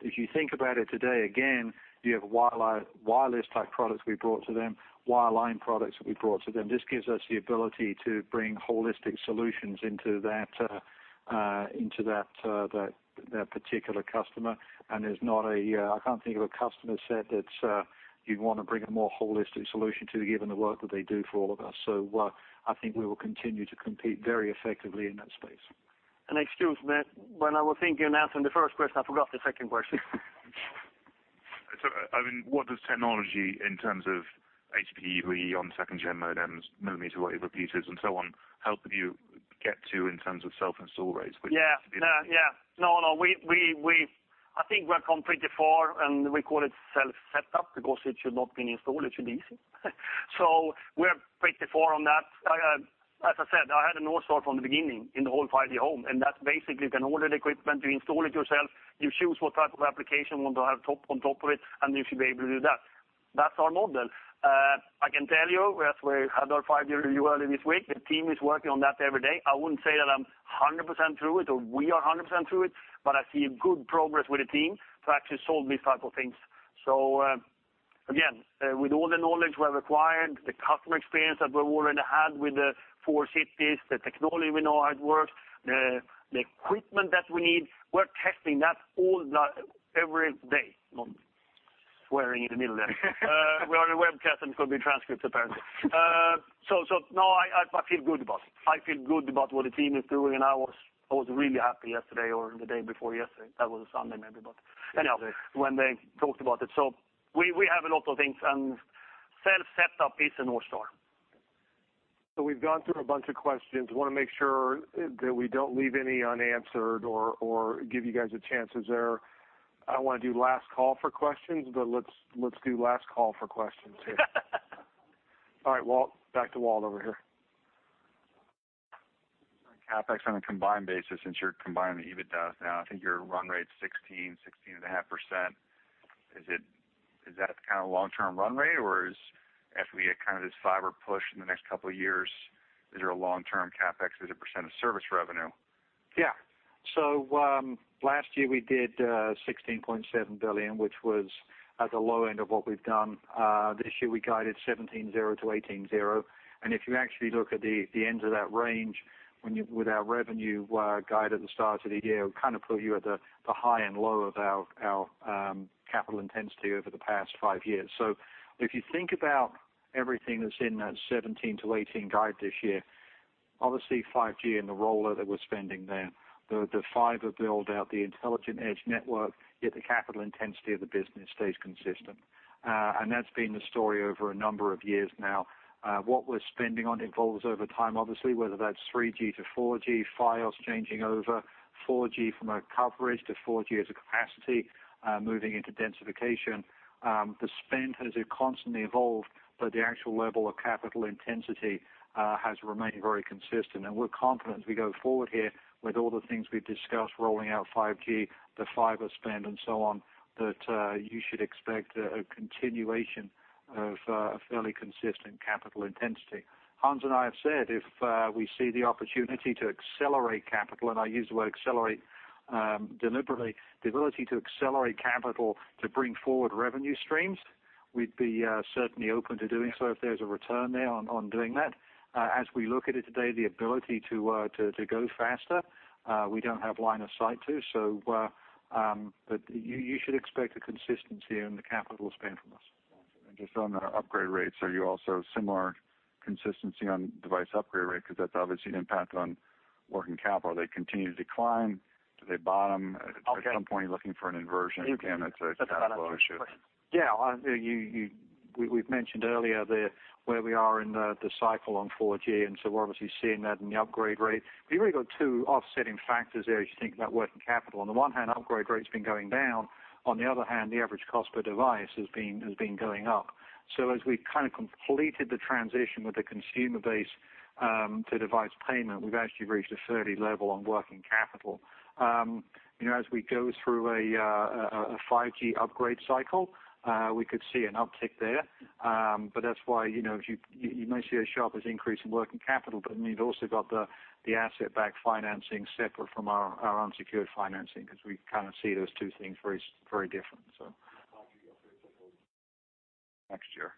If you think about it today, again, you have wireless-type products we brought to them, wireline products that we brought to them. This gives us the ability to bring holistic solutions into that particular customer, and I can't think of a customer set that you'd want to bring a more holistic solution to, given the work that they do for all of us. I think we will continue to compete very effectively in that space. Excuse me, when I was thinking answering the first question, I forgot the second question. It's all right. What does technology in terms of HPUE on second-gen modems, millimeter wave repeaters, and so on, help you get to in terms of self-install rates. Yeah. No. I think we're completely for, we call it self-setup because it should not mean install, it should be easy. We're pretty far on that. As I said, I had a North Star from the beginning in the whole 5G Home, and that's basically you can order the equipment, you install it yourself, you choose what type of application you want to have on top of it, and you should be able to do that. That's our model. I can tell you, as we had our five-year review earlier this week, the team is working on that every day. I wouldn't say that I'm 100% through it, or we are 100% through it, but I see a good progress with the team to actually solve these type of things. Again, with all the knowledge we have acquired, the customer experience that we already had with the four cities, the technology we know how it works, the equipment that we need, we're testing that every day. Swearing in the middle there. We're on a webcast and could be transcripts, apparently. No, I feel good about it. I feel good about what the team is doing, and I was really happy yesterday or the day before yesterday. That was a Sunday maybe, but anyhow. Okay when they talked about it. We have a lot of things, self-setup is a North Star. We've gone through a bunch of questions. We want to make sure that we don't leave any unanswered or give you guys a chance. I don't want to do last call for questions, but let's do last call for questions here. All right, Walt. Back to Walt over here. CapEx on a combined basis, since you're combining the EBITDA now, I think your run rate's 16%-16.5%. Is that the kind of long-term run rate, or after we get this fiber push in the next couple of years, is there a long-term CapEx as a percent of service revenue? Last year we did $16.7 billion, which was at the low end of what we've done. This year, we guided $17.0 billion-$18.0 billion. If you actually look at the ends of that range with our revenue guide at the start of the year, it will put you at the high and low of our capital intensity over the past five years. If you think about everything that's in that 2017 to 2018 guide this year, obviously 5G and the rollout that we're spending there, the fiber build-out, the Intelligent Edge Network, yet the capital intensity of the business stays consistent. That's been the story over a number of years now. What we're spending on evolves over time, obviously, whether that's 3G to 4G files changing over, 4G from a coverage to 4G as a capacity, moving into densification. The spend has constantly evolved, but the actual level of capital intensity has remained very consistent. We're confident as we go forward here with all the things we've discussed, rolling out 5G, the fiber spend, and so on, that you should expect a continuation of a fairly consistent capital intensity. Hans and I have said if we see the opportunity to accelerate capital, and I use the word accelerate deliberately, the ability to accelerate capital to bring forward revenue streams, we'd be certainly open to doing so if there's a return there on doing that. As we look at it today, the ability to go faster, we don't have line of sight to, but you should expect a consistency in the capital spend from us. Got you. Just on the upgrade rates, are you also similar consistency on device upgrade rate? Because that's obviously an impact on working capital. Are they continuing to decline? Do they bottom at some point looking for an inversion? Again, that's a kind of a loaded question. Yeah. We've mentioned earlier where we are in the cycle on 4G, we're obviously seeing that in the upgrade rate. You've really got two offsetting factors there as you think about working capital. On the one hand, upgrade rate's been going down. On the other hand, the average cost per device has been going up. As we completed the transition with the consumer base to device payment, we've actually reached a fairly level on working capital. As we go through a 5G upgrade cycle, we could see an uptick there. That's why you may see a sharp as increase in working capital, but you've also got the asset-backed financing separate from our unsecured financing because we see those two things very different. Next year.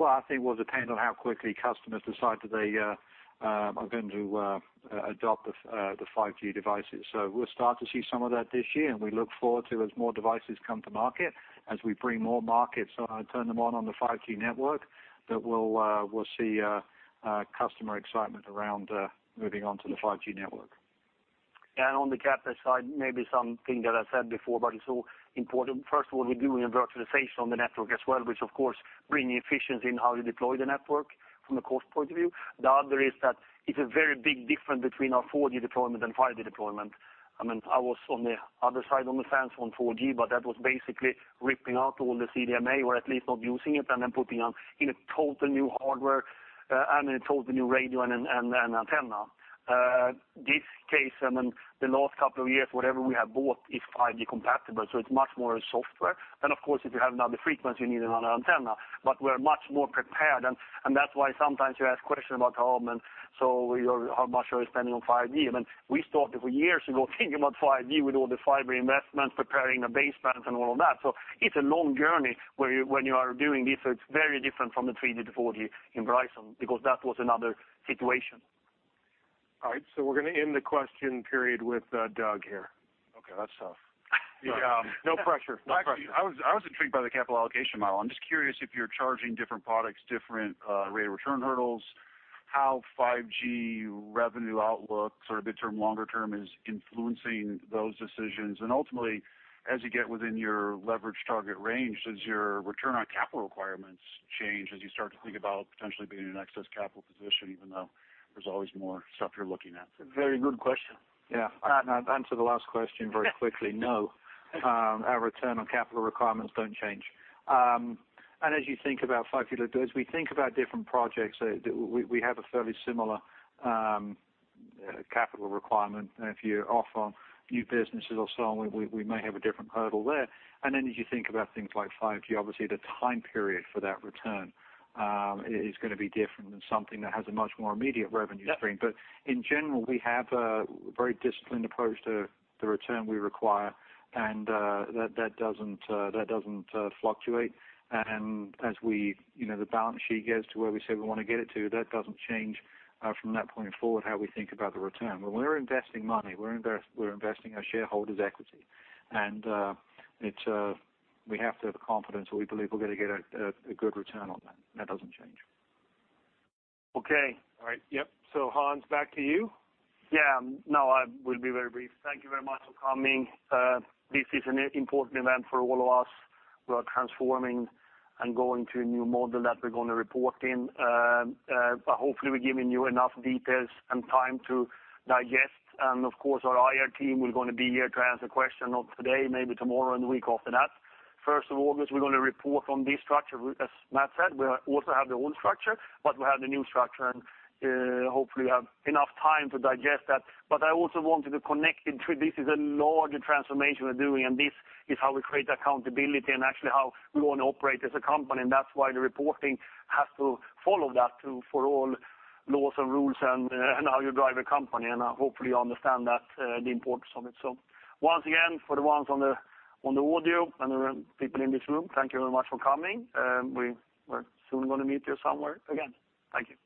I think it will depend on how quickly customers decide that they are going to adopt the 5G devices. We'll start to see some of that this year, and we look forward to, as more devices come to market, as we bring more markets and turn them on the 5G network, that we'll see customer excitement around moving on to the 5G network. On the CapEx side, maybe something that I said before, but it's so important. First of all, we're doing a virtualization on the network as well, which of course, bringing efficiency in how you deploy the network from a cost point of view. The other is that it's a very big difference between our 4G deployment and 5G deployment. I was on the other side on the fence on 4G, but that was basically ripping out all the CDMA, or at least not using it, and then putting on totally new hardware and a totally new radio and antenna. This case, and then the last couple of years, whatever we have bought is 5G compatible, so it's much more a software. Of course, if you have another frequency, you need another antenna. We're much more prepared, and that's why sometimes you ask questions about how much are we spending on 5G. We started years ago thinking about 5G with all the fiber investments, preparing the base plans, and all of that. It's a long journey when you are doing this. It's very different from the 3G to 4G in Verizon, because that was another situation. All right, we're going to end the question period with Doug here. Okay, that's tough. Yeah. No pressure. I was intrigued by the capital allocation model. I'm just curious if you're charging different products different rate of return hurdles, how 5G revenue outlook, sort of midterm, longer term, is influencing those decisions. Ultimately, as you get within your leverage target range, does your return on capital requirements change as you start to think about potentially being in an excess capital position, even though there's always more stuff you're looking at? Very good question. Yeah. I'll answer the last question very quickly. No. Our return on capital requirements don't change. As we think about different projects, we have a fairly similar capital requirement. If you're off on new businesses or so on, we may have a different hurdle there. As you think about things like 5G, obviously the time period for that return is going to be different than something that has a much more immediate revenue stream. Yep. In general, we have a very disciplined approach to the return we require, and that doesn't fluctuate. As the balance sheet gets to where we say we want to get it to, that doesn't change from that point forward how we think about the return. When we're investing money, we're investing our shareholders' equity. We have to have the confidence that we believe we're going to get a good return on that. That doesn't change. Okay. All right. Yep. Hans, back to you. No, I will be very brief. Thank you very much for coming. This is an important event for all of us. We are transforming and going to a new model that we're going to report in. Hopefully we're giving you enough details and time to digest. Of course, our IR team will be here to answer your questions not today, maybe tomorrow, and the week after that. 1st of August, we're going to report on this structure. As Matt said, we also have the old structure, we have the new structure, hopefully you have enough time to digest that. I also wanted to connect it to this is a larger transformation we're doing, this is how we create accountability and actually how we want to operate as a company, that's why the reporting has to follow that too, for all laws and rules and how you drive a company. Hopefully, you understand that, the importance of it. Once again, for the ones on the audio and the people in this room, thank you very much for coming. We're soon going to meet you somewhere again. Thank you.